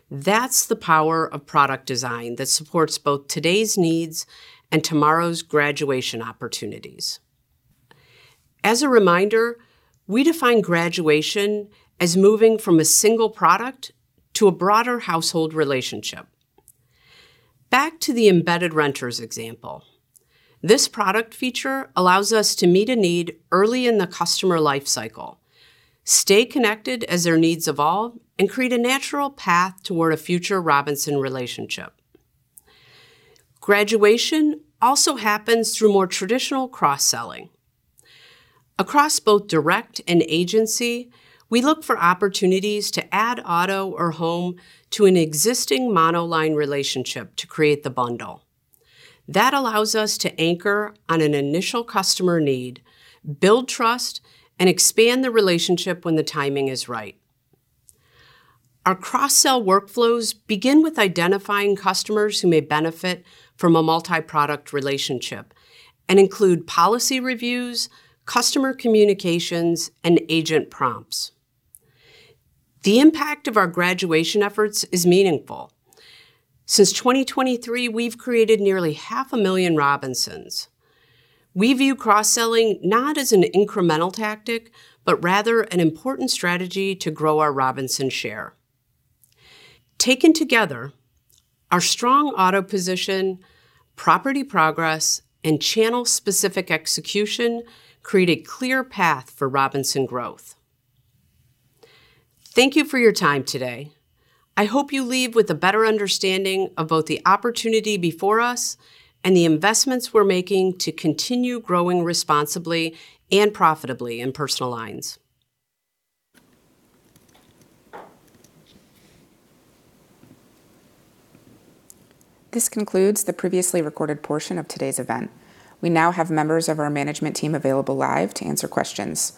That's the power of product design that supports both today's needs and tomorrow's graduation opportunities. As a reminder, we define graduation as moving from a single product to a broader household relationship. Back to the embedded renters example. This product feature allows us to meet a need early in the customer life cycle, stay connected as their needs evolve, and create a natural path toward a future Robinson relationship. Graduation also happens through more traditional cross-selling. Across both direct and agency, we look for opportunities to add auto or home to an existing monoline relationship to create the bundle. That allows us to anchor on an initial customer need, build trust, and expand the relationship when the timing is right. Our cross-sell workflows begin with identifying customers who may benefit from a multi-product relationship and include policy reviews, customer communications, and agent prompts. The impact of our graduation efforts is meaningful. Since 2023, we've created nearly 500,000 Robinsons. We view cross-selling not as an incremental tactic, but rather an important strategy to grow our Robinson share. Taken together, our strong auto position, property progress, and channel-specific execution create a clear path for Robinsons growth. Thank you for your time today. I hope you leave with a better understanding of both the opportunity before us and the investments we're making to continue growing responsibly and profitably in personal lines. This concludes the previously recorded portion of today's event. We now have members of our management team available live to answer questions.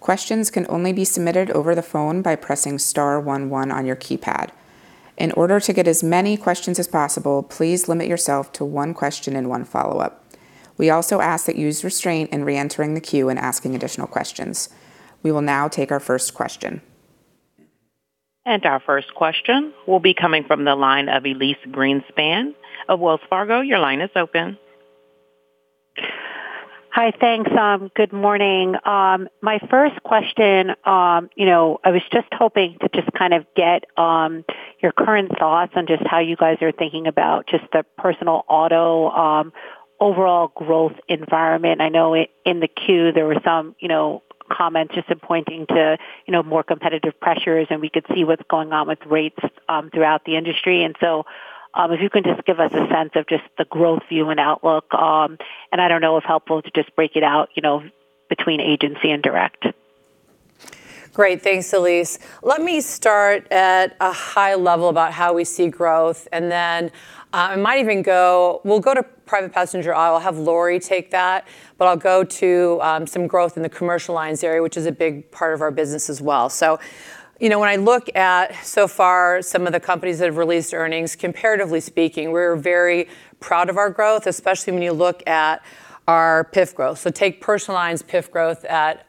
Questions can only be submitted over the phone by pressing star one one on your keypad. In order to get as many questions as possible, please limit yourself to one question and one follow-up. We also ask that you use restraint in reentering the queue and asking additional questions. We will now take our first question. Our first question will be coming from the line of Elyse Greenspan of Wells Fargo. Your line is open. Hi. Thanks. Good morning. My first question, I was just hoping to just kind of get your current thoughts on just how you guys are thinking about just the personal auto overall growth environment. I know in the queue there were some comments just pointing to more competitive pressures, and we could see what's going on with rates throughout the industry. So if you can just give us a sense of just the growth view and outlook. I don't know if helpful to just break it out between agency and direct. Great. Thanks, Elyse. Let me start at a high level about how we see growth, and then I might even go. We'll go to private passenger. I will have Lori take that, but I'll go to some growth in the commercial lines area, which is a big part of our business as well. When I look at so far some of the companies that have released earnings, comparatively speaking, we're very proud of our growth, especially when you look at our PIF growth. So take personal lines PIF growth at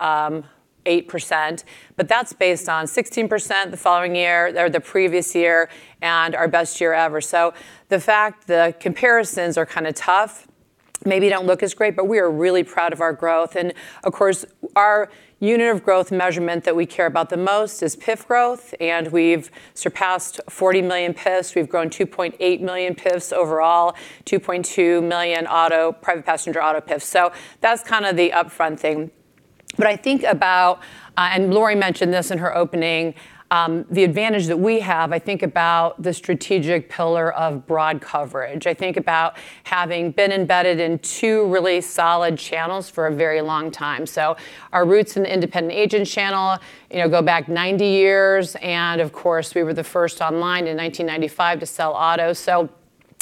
8%, but that's based on 16% the previous year, and our best year ever. So the fact the comparisons are kind of tough, maybe don't look as great, but we are really proud of our growth. And of course, our unit of growth measurement that we care about the most is PIF growth, and we've surpassed 40 million PIFs. We've grown 2.8 million PIFs overall, 2.2 million private passenger auto PIFs. So that's kind of the upfront thing. But I think about, and Lori mentioned this in her opening, the advantage that we have, I think about the strategic pillar of broad coverage. I think about having been embedded in two really solid channels for a very long time. Our roots in the independent agent channel go back 90 years, and of course, we were the first online in 1995 to sell auto.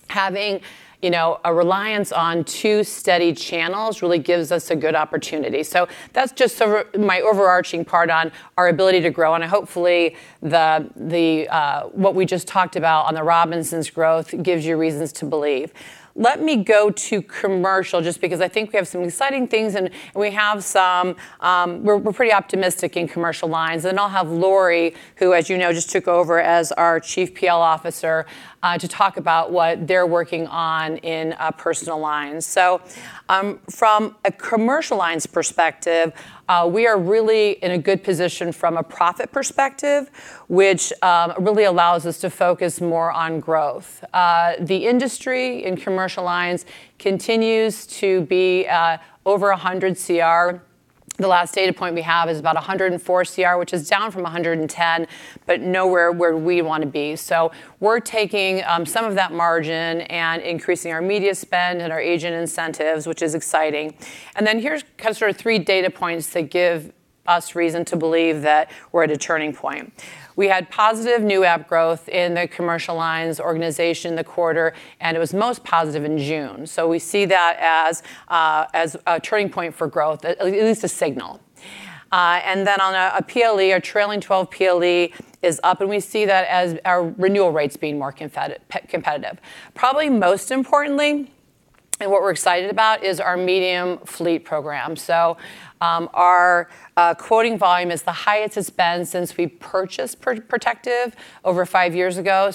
Having a reliance on two steady channels really gives us a good opportunity. So that's just my overarching part on our ability to grow, and hopefully what we just talked about on the Robinsons growth gives you reasons to believe. Let me go to commercial, just because I think we have some exciting things, and we're pretty optimistic in commercial lines. I'll have Lori, who as you know, just took over as our Chief PL Officer, to talk about what they're working on in personal lines. From a commercial lines perspective, we are really in a good position from a profit perspective, which really allows us to focus more on growth. The industry in commercial lines continues to be over 100% CR. The last data point we have is about 104% CR, which is down from 110%, but nowhere where we want to be. So we're taking some of that margin and increasing our media spend and our agent incentives, which is exciting. And then here's sort of three data points that give us reason to believe that we're at a turning point. We had positive new app growth in the commercial lines organization this quarter, and it was most positive in June. So we see that as a turning point for growth, at least a signal. And then on a PLE, our trailing 12-PLE is up, and we see that as our renewal rates being more competitive. Probably most importantly, and what we're excited about is our medium fleet program. Our quoting volume is the highest it's been since we purchased Protective over five years ago.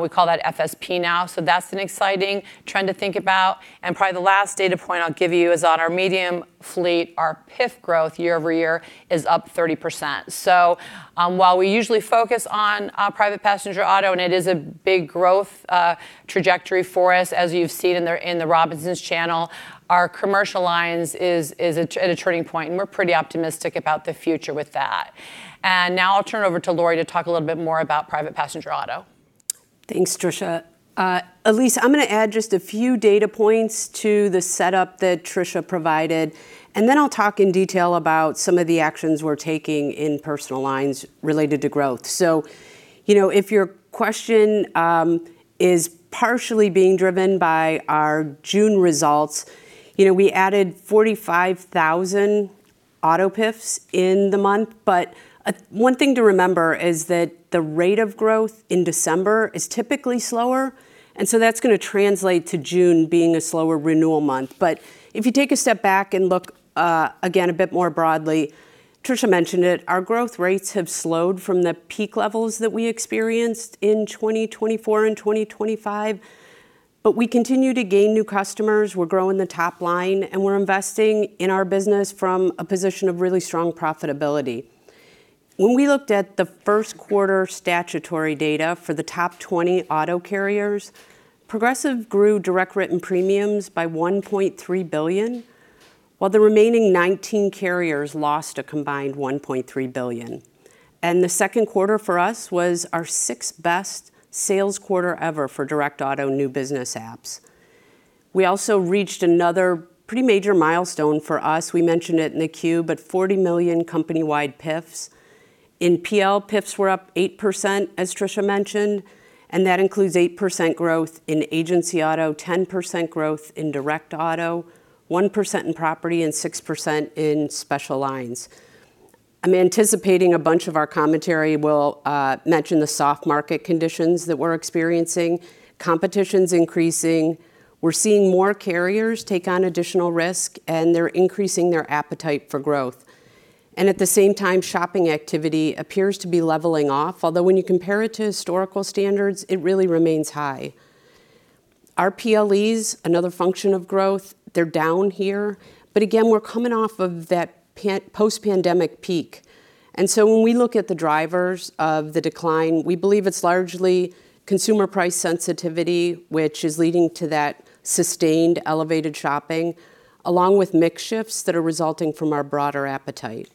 We call that FSP now. That's an exciting trend to think about. Probably the last data point I'll give you is on our medium-fleet, our PIF growth year-over-year is up 30%. While we usually focus on private passenger auto, and it is a big growth trajectory for us, as you've seen in the Robinsons channel, our commercial lines is at a turning point, and we're pretty optimistic about the future with that. Now I'll turn it over to Lori to talk a little bit more about private passenger auto. Thanks, Tricia. Elyse, I'm going to add just a few data points to the setup that Tricia provided, and then I'll talk in detail about some of the actions we're taking in personal lines related to growth. If your question is partially being driven by our June results, we added 45,000 auto PIFs in the month. One thing to remember is that the rate of growth in December is typically slower, and so that's going to translate to June being a slower renewal month. If you take a step back and look again a bit more broadly, Tricia mentioned it, our growth rates have slowed from the peak levels that we experienced in 2024 and 2025. We continue to gain new customers. We're growing the top-line, and we're investing in our business from a position of really strong profitability. When we looked at the first quarter statutory data for the top 20 auto carriers, Progressive grew direct written premiums by $1.3 billion, while the remaining 19 carriers lost a combined $1.3 billion. The second quarter for us was our sixth-best sales quarter ever for direct auto new business apps. We also reached another pretty major milestone for us. We mentioned it in the Q, 40 million company-wide PIFs. In PL, PIFs were up 8%, as Tricia mentioned, that includes 8% growth in agency auto, 10% growth in direct auto, 1% in property, and 6% in special lines. I'm anticipating a bunch of our commentary will mention the soft market conditions that we're experiencing. Competition's increasing. We're seeing more carriers take on additional risk, and they're increasing their appetite for growth. At the same time, shopping activity appears to be leveling off. Although when you compare it to historical standards, it really remains high. Our PLEs, another function of growth, they're down here. Again, we're coming off of that post-pandemic peak. When we look at the drivers of the decline, we believe it's largely consumer price sensitivity, which is leading to that sustained elevated shopping, along with mix shifts that are resulting from our broader appetite.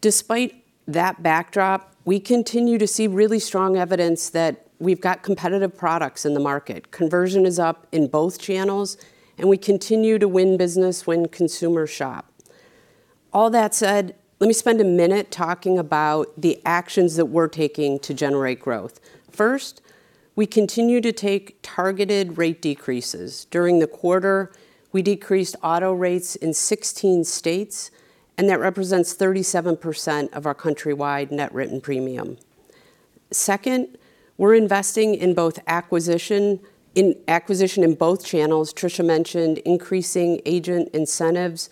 Despite that backdrop, we continue to see really strong evidence that we've got competitive products in the market. Conversion is up in both channels, and we continue to win business when consumers shop. All that said, let me spend a minute talking about the actions that we're taking to generate growth. First, we continue to take targeted rate decreases. During the quarter, we decreased auto rates in 16 states, that represents 37% of our countrywide net written premium. Second, we're investing in acquisition in both channels. Tricia mentioned increasing agent incentives,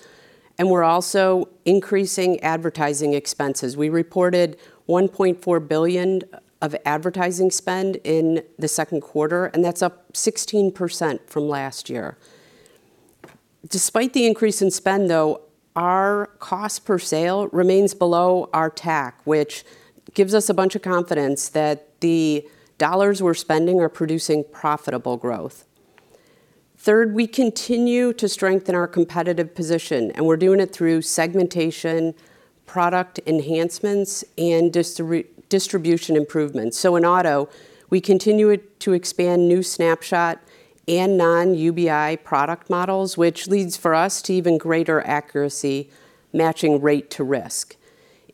and we're also increasing advertising expenses. We reported $1.4 billion of advertising spend in the second quarter, and that's up 16% from last year. Despite the increase in spend, though, our cost per sale remains below our TAC, which gives us a bunch of confidence that the dollars we're spending are producing profitable growth. Third, we continue to strengthen our competitive position, and we're doing it through segmentation, product enhancements, and distribution improvements. In auto, we continue to expand new Snapshot and non-UBI product models, which leads for us to even greater accuracy matching rate to risk.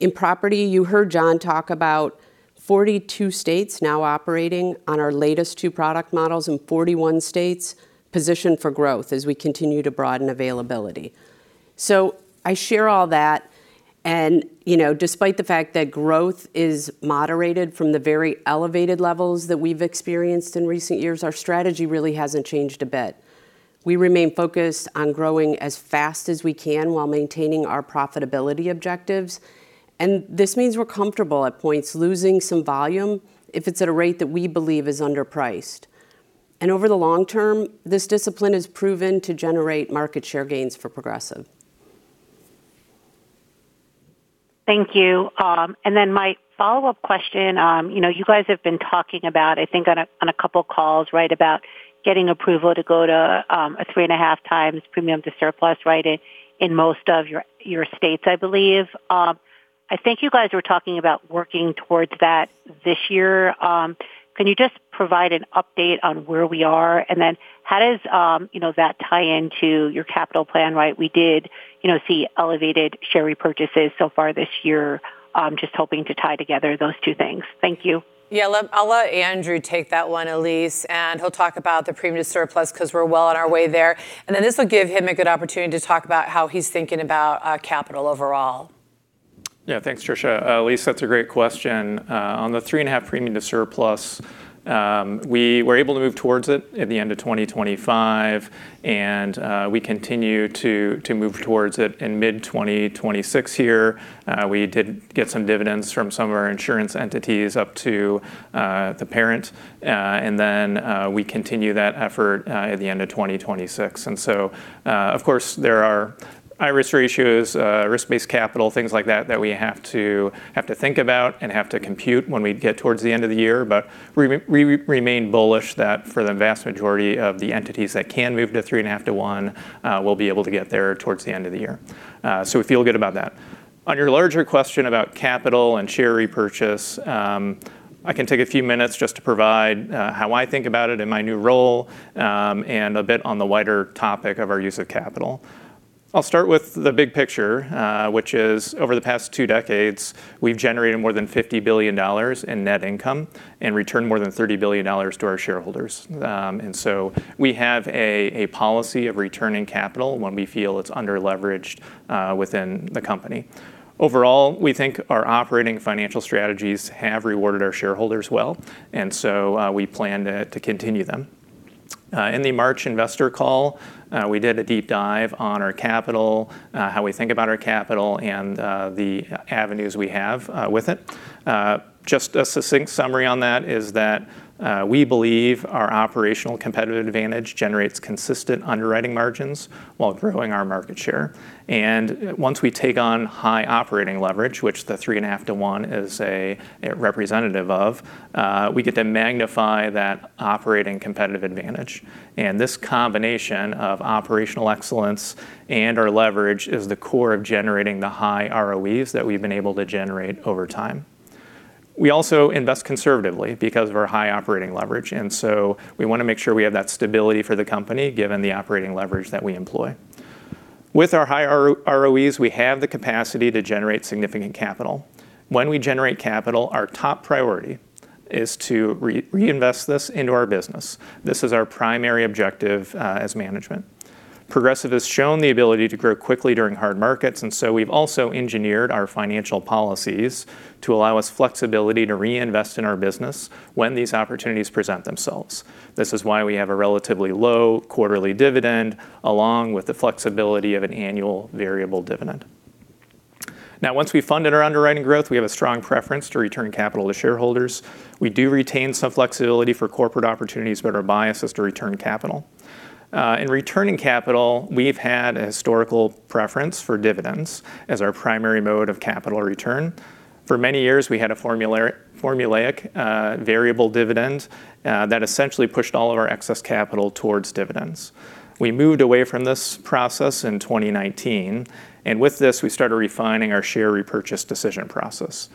In property, you heard John talk about 42 states now operating on our latest two product models in 41 states, positioned for growth as we continue to broaden availability. I share all that, despite the fact that growth is moderated from the very elevated levels that we've experienced in recent years, our strategy really hasn't changed a bit. We remain focused on growing as fast as we can while maintaining our profitability objectives, and this means we're comfortable at points losing some volume if it's at a rate that we believe is underpriced. Over the long term, this discipline has proven to generate market share gains for Progressive. Thank you. My follow-up question. You guys have been talking about, I think on a couple of calls, about getting approval to go to a 3.5x premium-to-surplus in most of your states, I believe. I think you guys were talking about working towards that this year. Can you just provide an update on where we are? How does that tie into your capital plan? We did see elevated share repurchases so far this year. Just hoping to tie together those two things. Thank you. Yeah. I'll let Andrew take that one, Elyse, and he'll talk about the premium-to-surplus because we're well on our way there. This will give him a good opportunity to talk about how he's thinking about capital overall. Yeah. Thanks, Tricia. Elyse, that's a great question. On the 3.5x premium-to-surplus, we were able to move towards it at the end of 2025, and we continue to move towards it in mid-2026 here. We did get some dividends from some of our insurance entities up to the parent. We continue that effort at the end of 2026. Of course, there are IRIS ratios, risk-based capital, things like that we have to think about and have to compute when we get towards the end of the year. We remain bullish that for the vast majority of the entities that can move to 3.5:1 We'll be able to get there towards the end of the year. We feel good about that. On your larger question about capital and share repurchase, I can take a few minutes just to provide how I think about it in my new role, and a bit on the wider topic of our use of capital. I'll start with the big picture, which is over the past two decades, we've generated more than $50 billion in net income and returned more than $30 billion to our shareholders. We have a policy of returning capital when we feel it's under-leveraged within the company. Overall, we think our operating financial strategies have rewarded our shareholders well, we plan to continue them. In the March Investor call, we did a deep dive on our capital, how we think about our capital, and the avenues we have with it. Just a succinct summary on that is that we believe our operational competitive advantage generates consistent underwriting margins while growing our market share. Once we take on high operating leverage, which the 3.5:1 is a representative of, we get to magnify that operating competitive advantage. This combination of operational excellence and our leverage is the core of generating the high ROEs that we've been able to generate over time. We also invest conservatively because of our high operating leverage, we want to make sure we have that stability for the company, given the operating leverage that we employ. With our high ROEs, we have the capacity to generate significant capital. When we generate capital, our top priority is to reinvest this into our business. This is our primary objective as management. Progressive has shown the ability to grow quickly during hard markets, we've also engineered our financial policies to allow us flexibility to reinvest in our business when these opportunities present themselves. This is why we have a relatively low quarterly dividend, along with the flexibility of an annual variable dividend. Once we've funded our underwriting growth, we have a strong preference to return capital to shareholders. We do retain some flexibility for corporate opportunities, our bias is to return capital. In returning capital, we've had a historical preference for dividends as our primary mode of capital return. For many years, we had a formulaic variable dividend that essentially pushed all of our excess capital towards dividends. We moved away from this process in 2019, with this, we started refining our share repurchase decision process.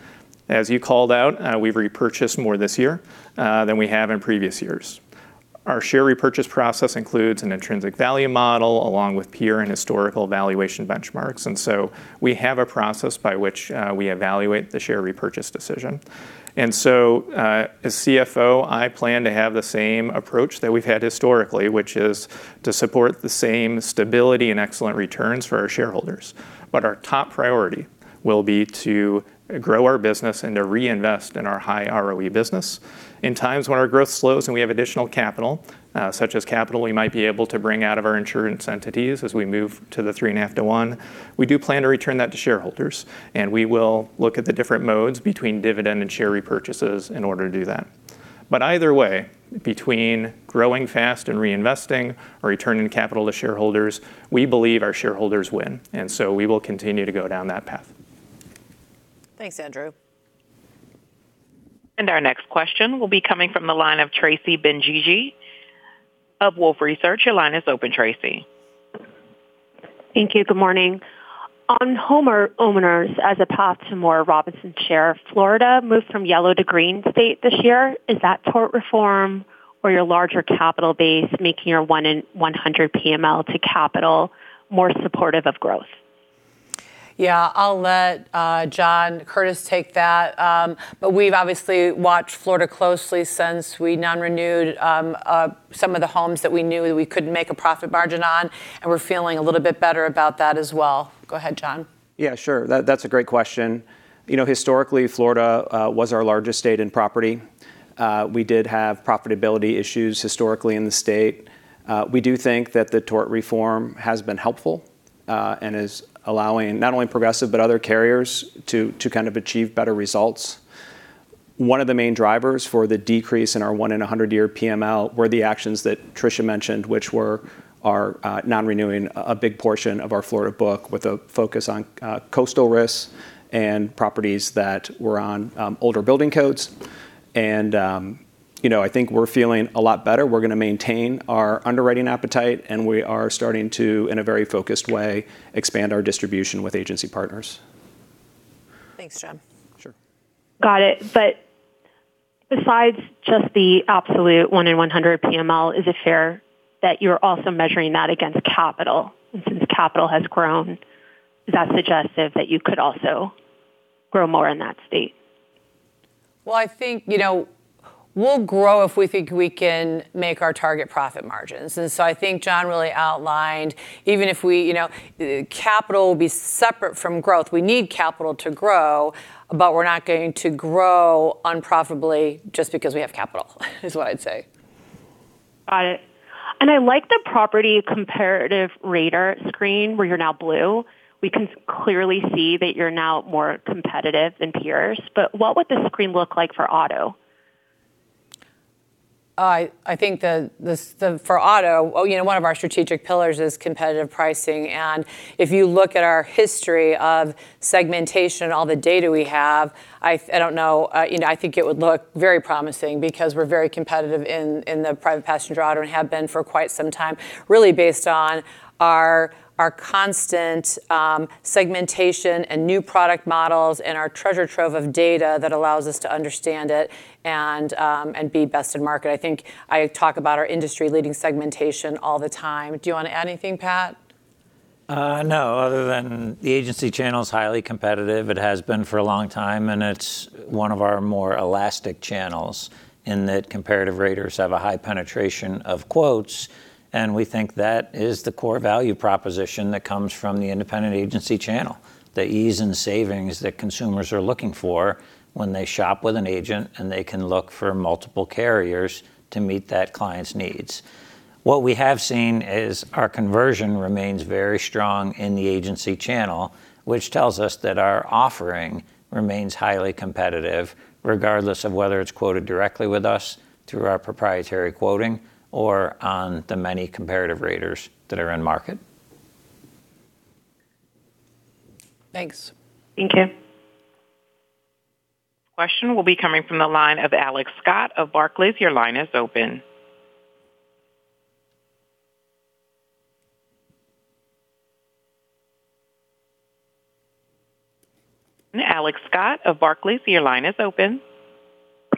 As you called out, we've repurchased more this year than we have in previous years. Our share repurchase process includes an intrinsic value model, along with peer and historical valuation benchmarks. We have a process by which we evaluate the share repurchase decision. As CFO, I plan to have the same approach that we've had historically, which is to support the same stability and excellent returns for our shareholders. Our top priority will be to grow our business and to reinvest in our high ROE business. In times when our growth slows and we have additional capital, such as capital we might be able to bring out of our insurance entities as we move to the 3.5:1, we do plan to return that to shareholders, and we will look at the different modes between dividend and share repurchases in order to do that. Either way, between growing fast and reinvesting or returning capital to shareholders, we believe our shareholders win, and so we will continue to go down that path. Thanks, Andrew. Our next question will be coming from the line of Tracy Benguigui of Wolfe Research. Your line is open, Tracy. Thank you. Good morning. On homeowners as a path to more Robinsons share, Florida moved from yellow to green state this year. Is that tort reform or your larger capital base making your one-in-100 year PML to capital more supportive of growth? I'll let John Curtis take that. We've obviously watched Florida closely since we non-renewed some of the homes that we knew we couldn't make a profit margin on, and we're feeling a little bit better about that as well. Go ahead, John. Sure. That's a great question. Historically, Florida was our largest state in property. We did have profitability issues historically in the state. We do think that the tort reform has been helpful, and is allowing not only Progressive but other carriers to kind of achieve better results. One of the main drivers for the decrease in our one-in-100 year PML were the actions that Tricia mentioned, which were our non-renewing a big portion of our Florida book with a focus on coastal risks and properties that were on older building codes. I think we're feeling a lot better. We're going to maintain our underwriting appetite, we are starting to, in a very focused way, expand our distribution with agency partners. Thanks, John. Sure. Got it. Besides just the absolute one-in-100 year PML, is it fair that you're also measuring that against capital? Since capital has grown, is that suggestive that you could also grow more in that state? I think we'll grow if we think we can make our target profit margins. I think John really outlined, even if capital will be separate from growth, we need capital to grow, but we're not going to grow unprofitably just because we have capital, is what I'd say. Got it. I like the property comparative rater screen, where you're now blue. We can clearly see that you're now more competitive than peers. What would this screen look like for auto? I think for auto, one of our strategic pillars is competitive pricing, and if you look at our history of segmentation and all the data we have, I think it would look very promising because we're very competitive in the private passenger auto and have been for quite some time, really based on our constant segmentation and new product models and our treasure trove of data that allows us to understand it and be best in market. I think I talk about our industry-leading segmentation all the time. Do you want to add anything, Pat? No, other than the agency channel's highly competitive. It has been for a long time, and it's one of our more elastic channels in that comparative raters have a high penetration of quotes, and we think that is the core value proposition that comes from the independent agency channel. The ease and savings that consumers are looking for when they shop with an agent, and they can look for multiple carriers to meet that client's needs. What we have seen is our conversion remains very strong in the agency channel, which tells us that our offering remains highly competitive, regardless of whether it's quoted directly with us through our proprietary quoting or on the many comparative raters that are in market. Thanks. Thank you. Question will be coming from the line of Alex Scott of Barclays. Your line is open. Alex Scott of Barclays, your line is open.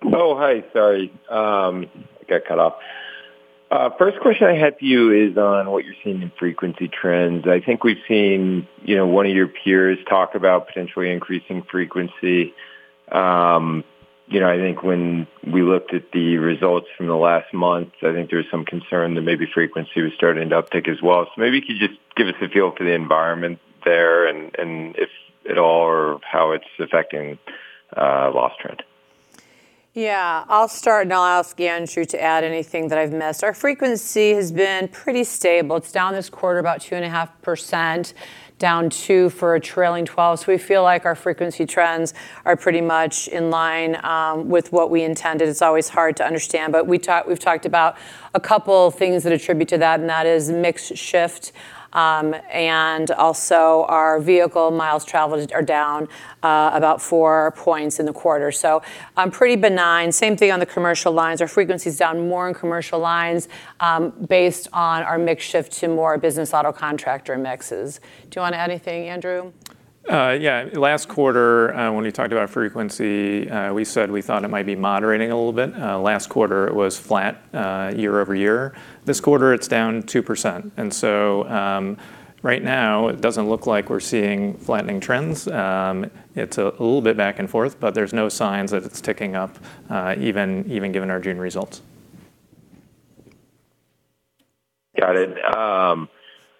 Oh, hi. Sorry. I got cut off. First question I had for you is on what you're seeing in frequency trends. I think we've seen one of your peers talk about potentially increasing frequency. I think when we looked at the results from the last month, I think there was some concern that maybe frequency was starting to uptick as well. Maybe you could just give us a feel for the environment there and if at all or how it's affecting loss trend. I'll start, and I'll ask Andrew to add anything that I've missed. Our frequency has been pretty stable. It's down this quarter about 2.5%, down 2% for a trailing 12. We feel like our frequency trends are pretty much in line with what we intended. It's always hard to understand, but we've talked about a couple things that attribute to that, and that is mix shift, and also our vehicle miles traveled are down about 4 points in the quarter. Pretty benign. Same thing on the commercial lines. Our frequency's down more in commercial lines based on our mix shift to more business auto contractor mixes. Do you want to add anything, Andrew? Last quarter when we talked about frequency, we said we thought it might be moderating a little bit. Last quarter it was flat year-over-year. This quarter it's down 2%. Right now it doesn't look like we're seeing flattening trends. It's a little bit back and forth, but there's no signs that it's ticking up even given our June results. Got it.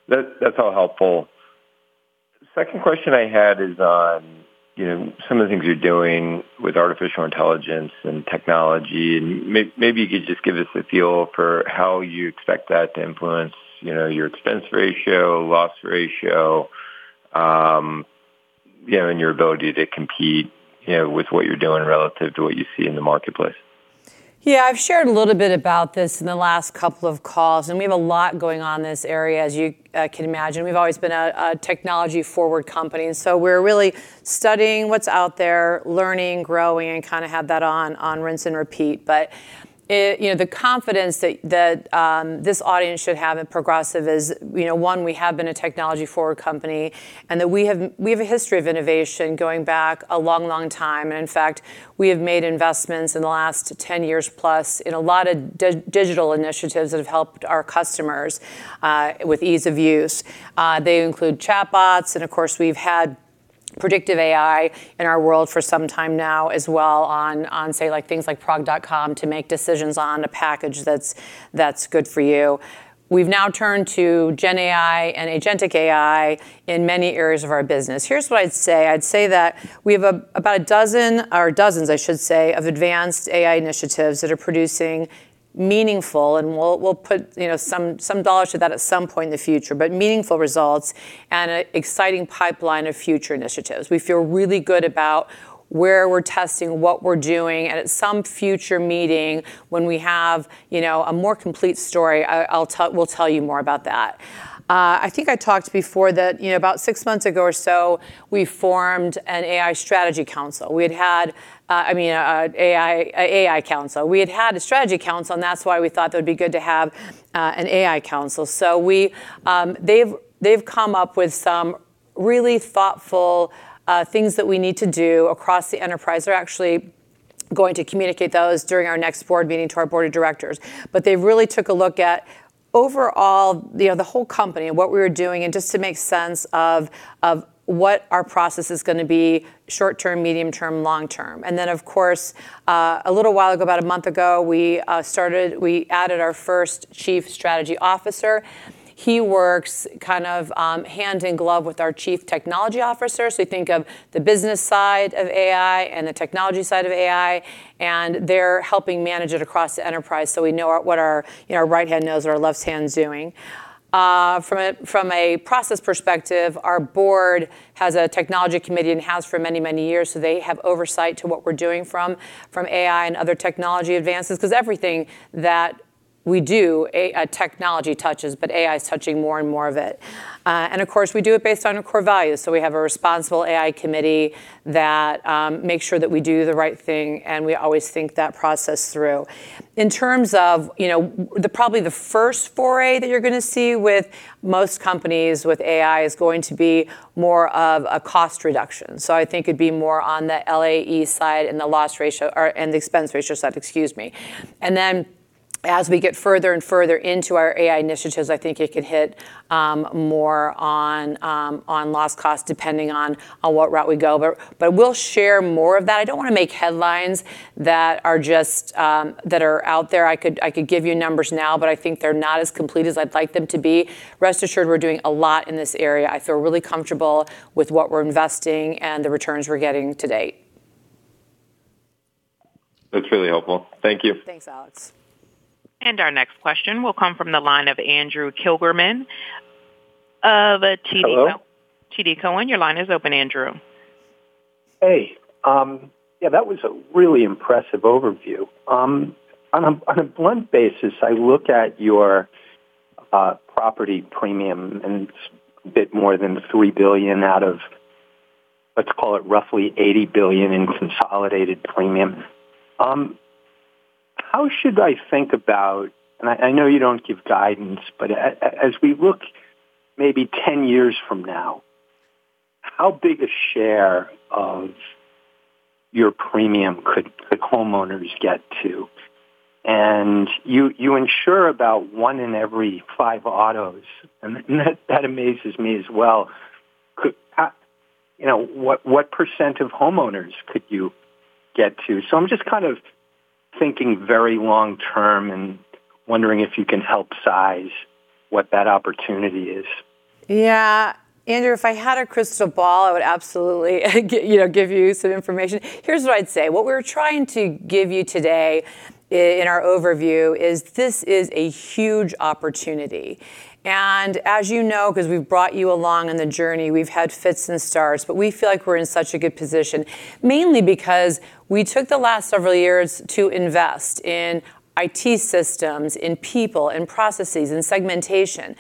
That's all helpful. Second question I had is on some of the things you're doing with artificial intelligence and technology, and maybe you could just give us a feel for how you expect that to influence your expense ratio, loss ratio, and your ability to compete with what you're doing relative to what you see in the marketplace. Yeah. I've shared a little bit about this in the last couple of calls. We have a lot going on in this area, as you can imagine. We've always been a technology forward company. We're really studying what's out there, learning, growing, and kind of have that on rinse and repeat. The confidence that this audience should have in Progressive is one, we have been a technology forward company, and that we have a history of innovation going back a long time. In fact, we have made investments in the last 10 years+ in a lot of digital initiatives that have helped our customers with ease of use. They include chatbots and of course we've had predictive AI in our world for some time now as well on, say like things like progressive.com to make decisions on a package that's good for you. We've now turned to GenAI and agentic AI in many areas of our business. Here's what I'd say. I'd say that we have about a dozen, or dozens I should say, of advanced AI initiatives that are producing meaningful. We'll put some dollars to that at some point in the future, but meaningful results and an exciting pipeline of future initiatives. We feel really good about where we're testing what we're doing. At some future meeting, when we have a more complete story, we'll tell you more about that. I think I talked before that about six months ago or so, we formed an AI strategy council. We'd had an AI council. We had had a strategy council. That's why we thought that it would be good to have an AI council. They've come up with some really thoughtful things that we need to do across the enterprise. We're actually going to communicate those during our next Board meeting to our Board of Directors. They really took a look at overall, the whole company and what we were doing, and just to make sense of what our process is going to be short-term, medium-term, long-term. Of course, a little while ago, about a month ago, we added our first Chief Strategy Officer. He works hand in glove with our Chief Technology Officer. You think of the business side of AI and the technology side of AI, and they're helping manage it across the enterprise so we know what our right hand knows what our left hand's doing. From a process perspective, our Board has a technology committee and has for many, many years. They have oversight to what we're doing from AI and other technology advances, because everything that we do technology touches, but AI is touching more and more of it. Of course, we do it based on our core values. We have a responsible AI committee that makes sure that we do the right thing, and we always think that process through. In terms of probably the first foray that you're going to see with most companies with AI is going to be more of a cost reduction. I think it'd be more on the LAE side and the expense ratio side. As we get further and further into our AI initiatives, I think it could hit more on loss cost, depending on what route we go. We'll share more of that. I don't want to make headlines that are out there. I could give you numbers now, but I think they're not as complete as I'd like them to be. Rest assured, we're doing a lot in this area. I feel really comfortable with what we're investing and the returns we're getting to date. That's really helpful. Thank you. Thanks, Alex. Our next question will come from the line of Andrew Kligerman of TD— Hello? TD Cowen. Your line is open, Andrew. Hey. Yeah, that was a really impressive overview. On a blunt basis, I look at your property premium, and it's a bit more than $3 billion out of, let's call it roughly $80 billion in consolidated premium. How should I think about, and I know you don't give guidance, but as we look maybe 10 years from now, how big a share of your premium could the homeowners get to? You ensure about one in every five autos, and that amazes me as well. What percent of homeowners could you get to? I'm just kind of thinking very long-term and wondering if you can help size what that opportunity is. Yeah. Andrew, if I had a crystal ball, I would absolutely give you some information. Here's what I'd say. What we're trying to give you today in our overview is this is a huge opportunity. As you know, because we've brought you along on the journey, we've had fits and starts, but we feel like we're in such a good position, mainly because we took the last several years to invest in IT systems, in people, in processes, in segmentation.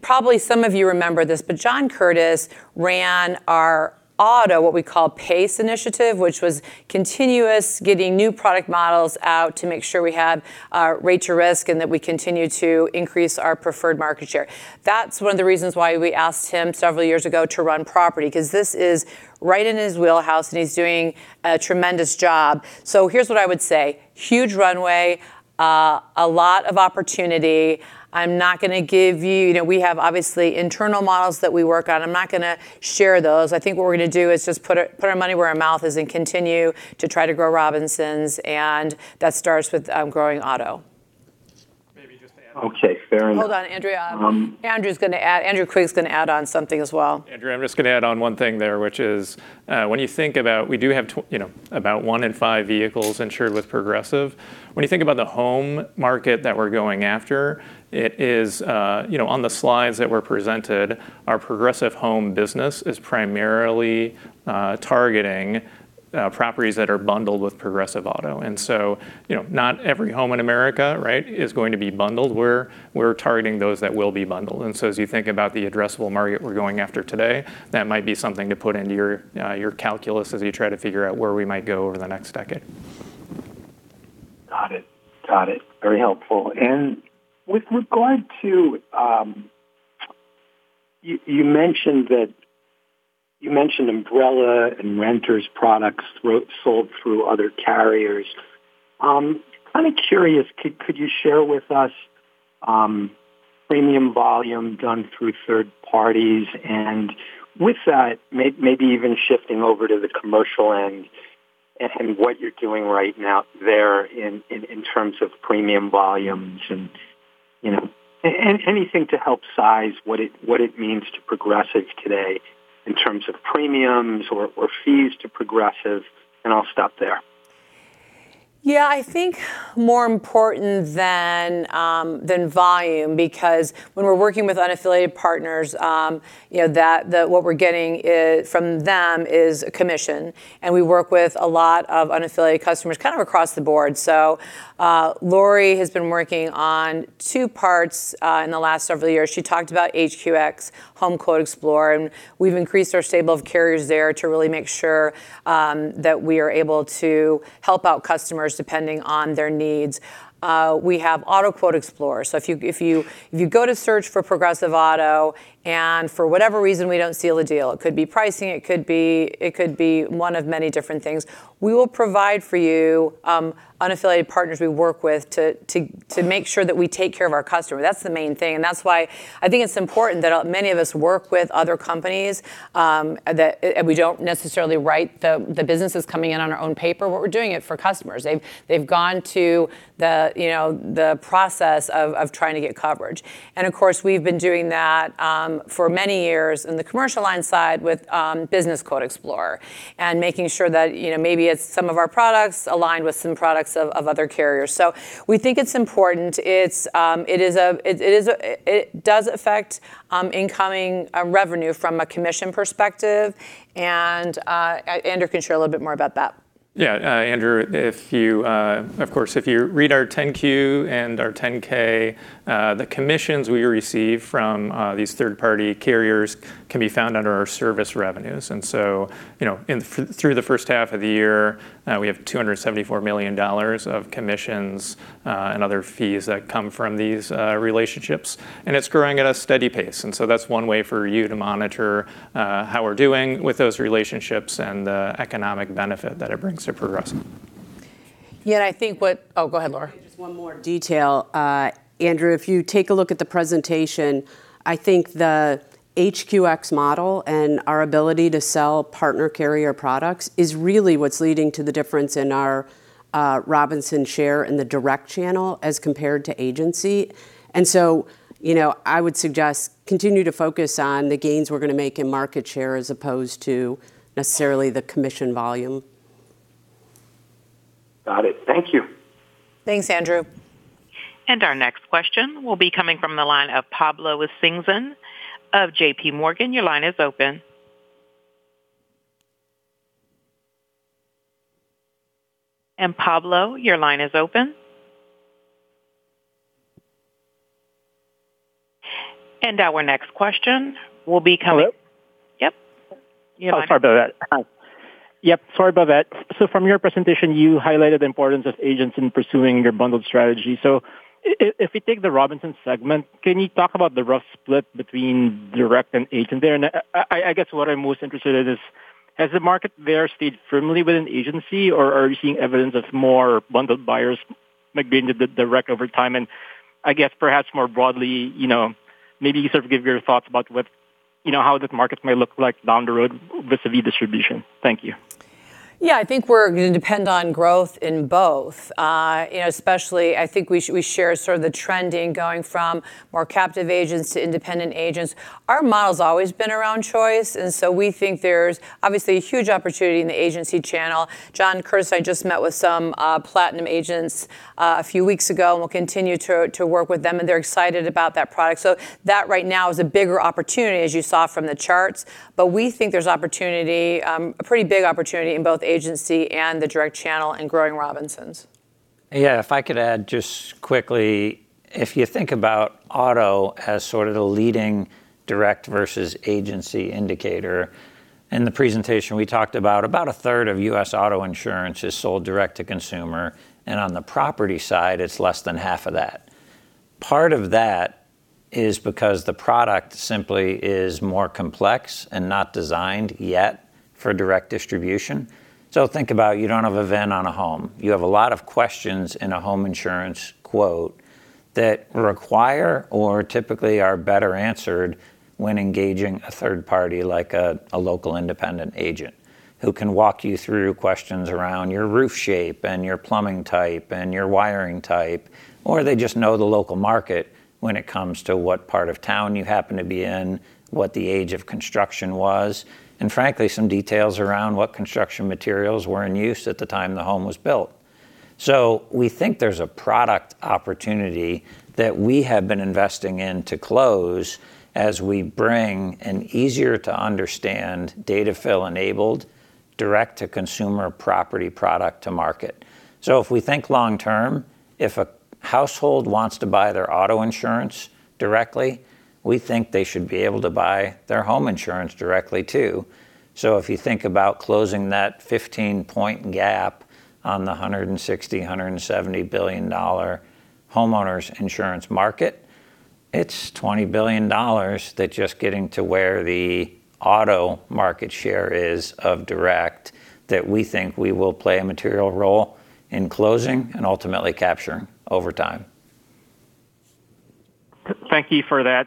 Probably some of you remember this, but John Curtis ran our auto, what we call PACE initiative, which was continuous, getting new product models out to make sure we had rate-to-risk and that we continue to increase our preferred market share. That's one of the reasons why we asked him several years ago to run property, because this is right in his wheelhouse and he's doing a tremendous job. Here's what I would say. Huge runway, a lot of opportunity. We have obviously internal models that we work on. I'm not going to share those. I think what we're going to do is just put our money where our mouth is and continue to try to grow Robinsons, and that starts with growing auto. Maybe just to add on. Okay, fair enough. Hold on, Andrew. Andrew Quigg's going to add on something as well. Andrew, I'm just going to add on one thing there, which is when you think about we do have about 1:5 vehicles insured with Progressive. When you think about the home market that we're going after, it is on the slides that were presented, our Progressive Home business is primarily targeting properties that are bundled with Progressive auto. Not every home in America is going to be bundled. We're targeting those that will be bundled. As you think about the addressable market we're going after today, that might be something to put into your calculus as you try to figure out where we might go over the next decade. Got it. Got it. Very helpful. With regard to, you mentioned umbrella and renters products sold through other carriers. I'm curious, could you share with us premium volume done through third-parties? With that, maybe even shifting over to the commercial end. What you're doing right now there in terms of premium volumes and anything to help size what it means to Progressive today in terms of premiums or fees to Progressive, and I'll stop there. Yeah, I think more important than volume, because when we're working with unaffiliated partners, what we're getting from them is a commission, and we work with a lot of unaffiliated customers kind of across the board. Lori has been working on two parts in the last several years. She talked about HQX, HomeQuote Explorer, and we've increased our stable of carriers there to really make sure that we are able to help out customers depending on their needs. We have AutoQuote Explorer. If you go to search for Progressive Auto, and for whatever reason, we don't seal the deal, it could be pricing, it could be one of many different things, we will provide for you unaffiliated partners we work with to make sure that we take care of our customer. That's the main thing, and that's why I think it's important that many of us work with other companies, and we don't necessarily write the businesses coming in on our own paper, but we're doing it for customers. They've gone to the process of trying to get coverage. Of course, we've been doing that for many years in the commercial line side with BusinessQuote Explorer and making sure that maybe it's some of our products aligned with some products of other carriers. We think it's important. It does affect incoming revenue from a commission perspective, and Andrew can share a little bit more about that. Yeah. Andrew, of course, if you read our 10-Q and our 10-K, the commissions we receive from these third-party carriers can be found under our service revenues. Through the first half of the year, we have $274 million of commissions and other fees that come from these relationships, and it's growing at a steady pace. That's one way for you to monitor how we're doing with those relationships and the economic benefit that it brings to Progressive. Yeah, I think. Go ahead, Lori. Just one more detail. Andrew, if you take a look at the presentation, I think the HQX model and our ability to sell partner carrier products is really what's leading to the difference in our Robinsons share in the direct channel as compared to agency. I would suggest continue to focus on the gains we're going to make in market share as opposed to necessarily the commission volume. Got it. Thank you. Thanks, Andrew. Our next question will be coming from the line of Pablo Singson of JPMorgan. Your line is open. Pablo, your line is open. Hello? Yep. Oh, sorry about that. Yep, sorry about that. From your presentation, you highlighted the importance of agents in pursuing your bundled strategy. If we take the Robinsons segment, can you talk about the rough split between direct and agent there? I guess what I'm most interested in is, has the market there stayed firmly with an agency, or are you seeing evidence of more bundled buyers maybe in the direct over time? I guess perhaps more broadly, maybe you sort of give your thoughts about how this market may look like down the road vis-à-vis distribution. Thank you. Yeah, I think we're going to depend on growth in both. Especially, I think we share sort of the trending going from more captive agents to independent agents. Our model's always been around choice, we think there's obviously a huge opportunity in the agency channel. John Curtis and I just met with some Platinum agents a few weeks ago, and we'll continue to work with them, and they're excited about that product. That right now is a bigger opportunity, as you saw from the charts. We think there's a pretty big opportunity in both agency and the direct channel in growing Robinsons. Yeah, if I could add just quickly, if you think about auto as sort of the leading direct versus agency indicator, in the presentation, we talked about a 1/3 of U.S. auto insurance is sold direct-to-consumer, on the property side, it's less than half of that. Part of that is because the product simply is more complex and not designed yet for direct distribution. Think about you don't have a VIN on a home. You have a lot of questions in a home insurance quote that require or typically are better answered when engaging a third-party like a local independent agent who can walk you through questions around your roof shape and your plumbing type and your wiring type, or they just know the local market when it comes to what part of town you happen to be in, what the age of construction was, and frankly, some details around what construction materials were in use at the time the home was built. We think there's a product opportunity that we have been investing in to close as we bring an easier-to-understand data fill enabled direct-to-consumer property product to market. If a household wants to buy their auto insurance directly, we think they should be able to buy their home insurance directly too. If you think about closing that 15-point gap on the $160 billion-$170 billion homeowners insurance market, it's $20 billion that just getting to where the auto market share is of direct that we think we will play a material role in closing and ultimately capturing over time. Thank you for that.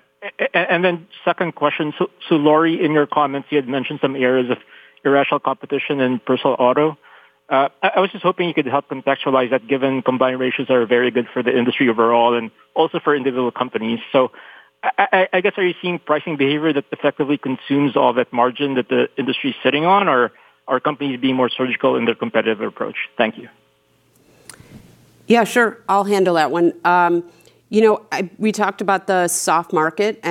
Second question. Lori, in your comments, you had mentioned some areas of irrational competition in personal auto. I was just hoping you could help contextualize that, given combined ratios are very good for the industry overall and also for individual companies. I guess, are you seeing pricing behavior that effectively consumes all that margin that the industry's sitting on, or are companies being more surgical in their competitive approach? Thank you. Yeah, sure. I'll handle that one. We talked about the soft market,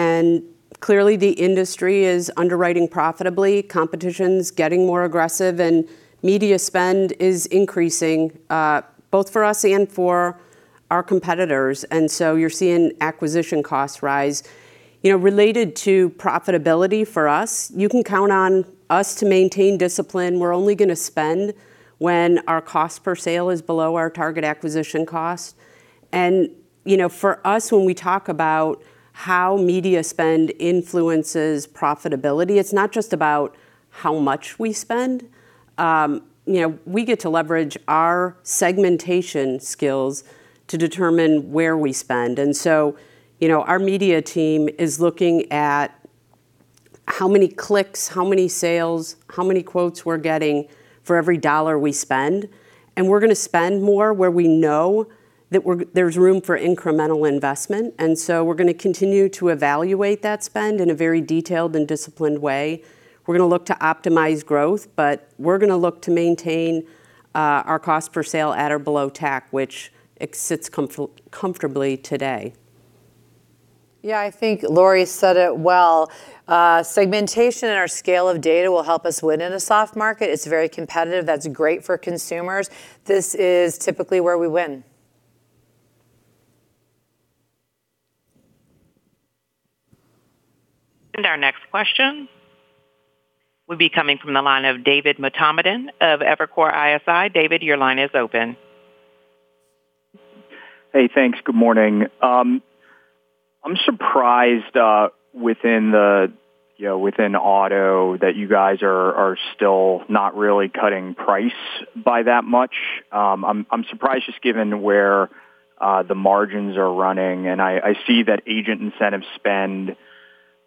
clearly the industry is underwriting profitably, competition's getting more aggressive, and media spend is increasing, both for us and for our competitors. You're seeing acquisition costs rise. Related to profitability for us, you can count on us to maintain discipline. We're only going to spend when our cost per sale is below our target acquisition cost. For us, when we talk about how media spend influences profitability, it's not just about how much we spend. We get to leverage our segmentation skills to determine where we spend. Our media team is looking at how many clicks, how many sales, how many quotes we're getting for every dollar we spend. We're going to spend more where we know that there's room for incremental investment. We are going to continue to evaluate that spend in a very detailed and disciplined way. We are going to look to optimize growth, we are going to look to maintain our cost per sale at or below TAC, which sits comfortably today. Yeah, I think Lori said it well. Segmentation in our scale of data will help us win in a soft market. It is very competitive. That is great for consumers. This is typically where we win. Our next question will be coming from the line of David Motemaden of Evercore ISI. David, your line is open. Hey, thanks. Good morning. I am surprised within auto that you guys are still not really cutting price by that much. I am surprised just given where the margins are running, and I see that agent incentive spend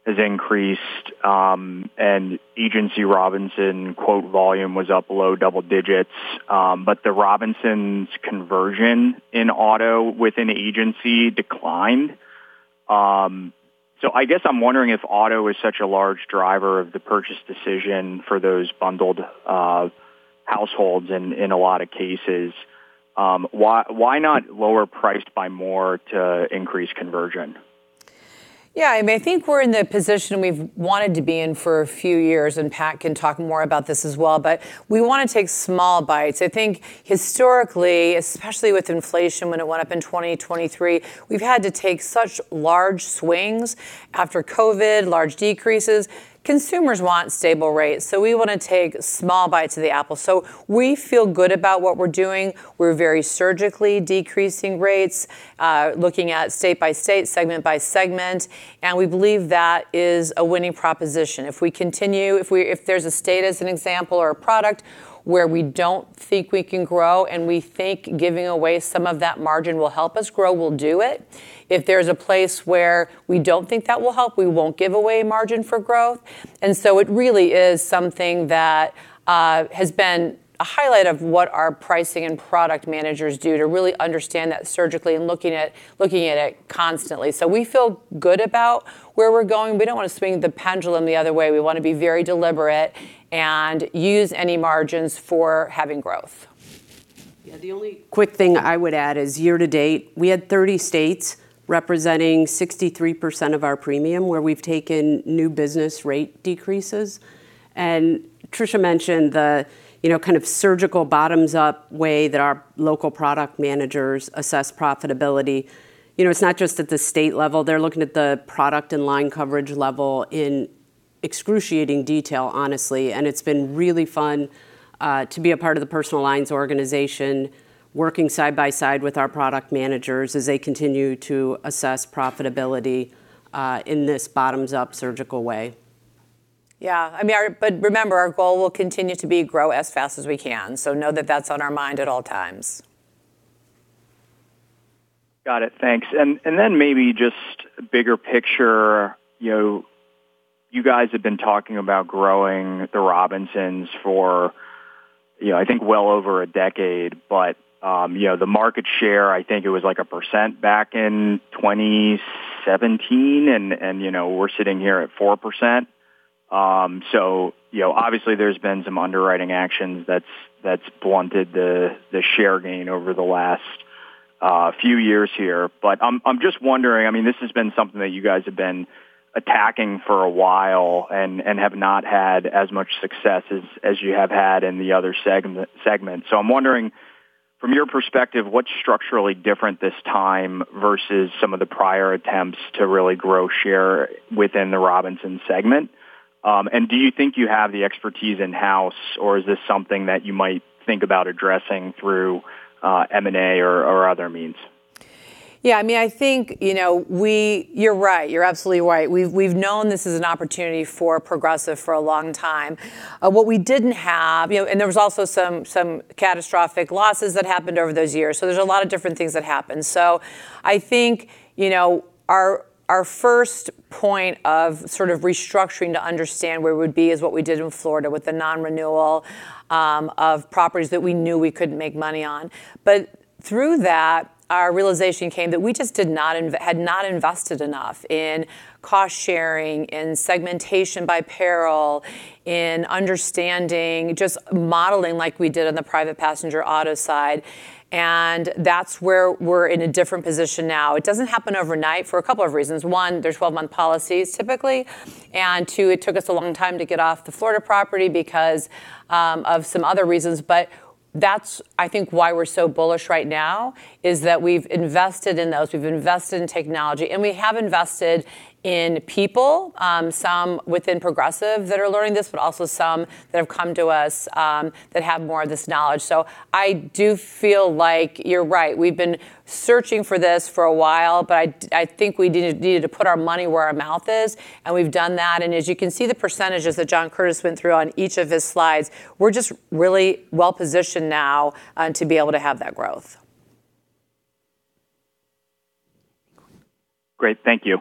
has increased, and agency Robinsons quote volume was up low double digits. The Robinsons conversion in auto within agency declined. I guess I am wondering if auto is such a large driver of the purchase decision for those bundled households in a lot of cases, why not lower price by more to increase conversion? Yeah. I think we're in the position we've wanted to be in for a few years. Pat can talk more about this as well. We want to take small bites. I think historically, especially with inflation when it went up in 2023, we've had to take such large swings after COVID, large decreases. Consumers want stable rates. We want to take small bites of the apple. We feel good about what we're doing. We're very surgically decreasing rates, looking at state-by-state, segment- by-segment, and we believe that is a winning proposition. If there's a state as an example or a product where we don't think we can grow and we think giving away some of that margin will help us grow, we'll do it. If there's a place where we don't think that will help, we won't give away margin for growth. It really is something that has been a highlight of what our pricing and product managers do to really understand that surgically and looking at it constantly. We feel good about where we're going. We don't want to swing the pendulum the other way. We want to be very deliberate and use any margins for having growth. Yeah. The only quick thing I would add is year-to-date, we had 30 states representing 63% of our premium where we've taken new business rate decreases. Tricia mentioned the kind of surgical bottoms-up way that our local product managers assess profitability. It's not just at the state level. They're looking at the product and line coverage level in excruciating detail, honestly, and it's been really fun to be a part of the personal lines organization, working side by side with our product managers as they continue to assess profitability in this bottoms-up surgical way. Yeah. Remember, our goal will continue to be grow as fast as we can. Know that that's on our mind at all times. Got it. Thanks. Maybe just bigger picture, you guys have been talking about growing the Robinsons for I think well over a decade, the market share, I think it was like 1% back in 2017, and we're sitting here at 4%. Obviously there's been some underwriting actions that's blunted the share gain over the last few years here. I'm just wondering, this has been something that you guys have been attacking for a while and have not had as much success as you have had in the other segments. I'm wondering from your perspective, what's structurally different this time versus some of the prior attempts to really grow share within the Robinsons segment? Do you think you have the expertise in-house, or is this something that you might think about addressing through M&A or other means? Yeah. I think you're right. You're absolutely right. We've known this is an opportunity for Progressive for a long time. There was also some catastrophic losses that happened over those years, there's a lot of different things that happened. I think our first point of sort of restructuring to understand where we'd be is what we did in Florida with the non-renewal of properties that we knew we couldn't make money on. Through that, our realization came that we just had not invested enough in cost-sharing, in segmentation by peril, in understanding, just modeling like we did on the private passenger auto side, that's where we're in a different position now. It doesn't happen overnight for a couple of reasons. One, they're 12-month policies typically, two, it took us a long time to get off the Florida property because of some other reasons. That's, I think, why we're so bullish right now, is that we've invested in those, we've invested in technology, we have invested in people, some within Progressive that are learning this, also some that have come to us that have more of this knowledge. I do feel like you're right. We've been searching for this for a while, I think we needed to put our money where our mouth is, we've done that. As you can see, the percentages that John Curtis went through on each of his slides, we're just really well-positioned now to be able to have that growth. Great. Thank you.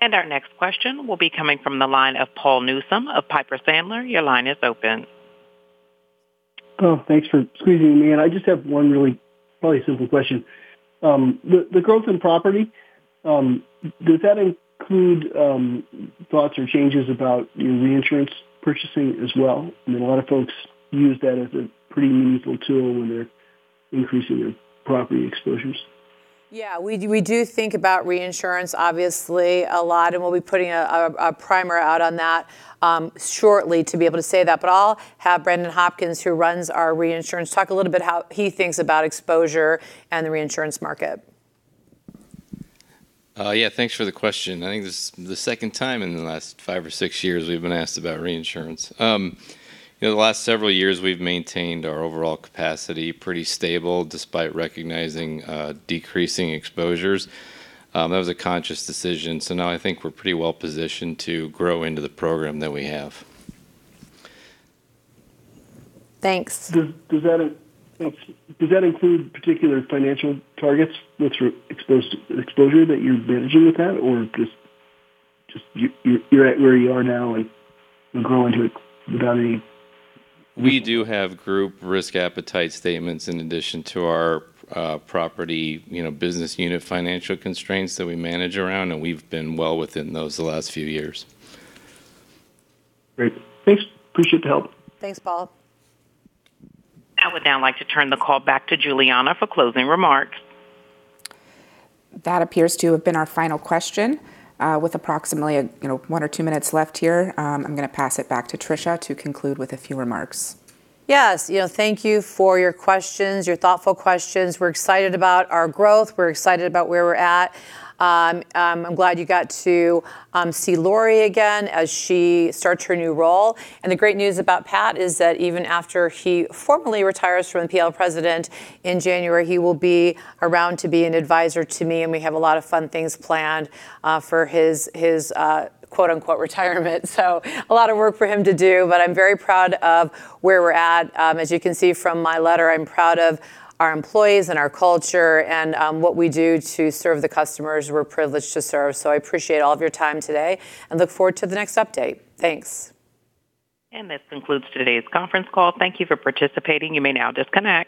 Our next question will be coming from the line of Paul Newsome of Piper Sandler. Your line is open. Thanks for squeezing me in. I just have one really probably simple question. The growth in property, does that include thoughts or changes about your reinsurance purchasing as well? I mean, a lot of folks use that as a pretty meaningful tool when they're increasing their property exposures. We do think about reinsurance obviously a lot, and we'll be putting a primer out on that shortly to be able to say that. I'll have Brandon Hopkins, who runs our reinsurance, talk a little bit how he thinks about exposure and the reinsurance market. Thanks for the question. I think this is the second time in the last five or six years we've been asked about reinsurance. The last several years, we've maintained our overall capacity pretty stable, despite recognizing decreasing exposures. That was a conscious decision. Now I think we're pretty well-positioned to grow into the program that we have. Thanks. Does that include particular financial targets with exposure that you're managing with that, or just you're at where you are now and you'll grow into it without any? We do have group risk appetite statements in addition to our property business unit financial constraints that we manage around, and we've been well within those the last few years. Great. Thanks. Appreciate the help. Thanks, Paul. I would now like to turn the call back to Juliana for closing remarks. That appears to have been our final question. With approximately one or two minutes left here, I'm going to pass it back to Tricia to conclude with a few remarks. Yes. Thank you for your questions, your thoughtful questions. We're excited about our growth. We're excited about where we're at. I'm glad you got to see Lori again as she starts her new role. The great news about Pat is that even after he formally retires from PL President in January, he will be around to be an advisor to me, and we have a lot of fun things planned for his "retirement". A lot of work for him to do, but I'm very proud of where we're at. As you can see from my letter, I'm proud of our employees and our culture and what we do to serve the customers we're privileged to serve. I appreciate all of your time today and look forward to the next update. Thanks. This concludes today's conference call. Thank you for participating. You may now disconnect.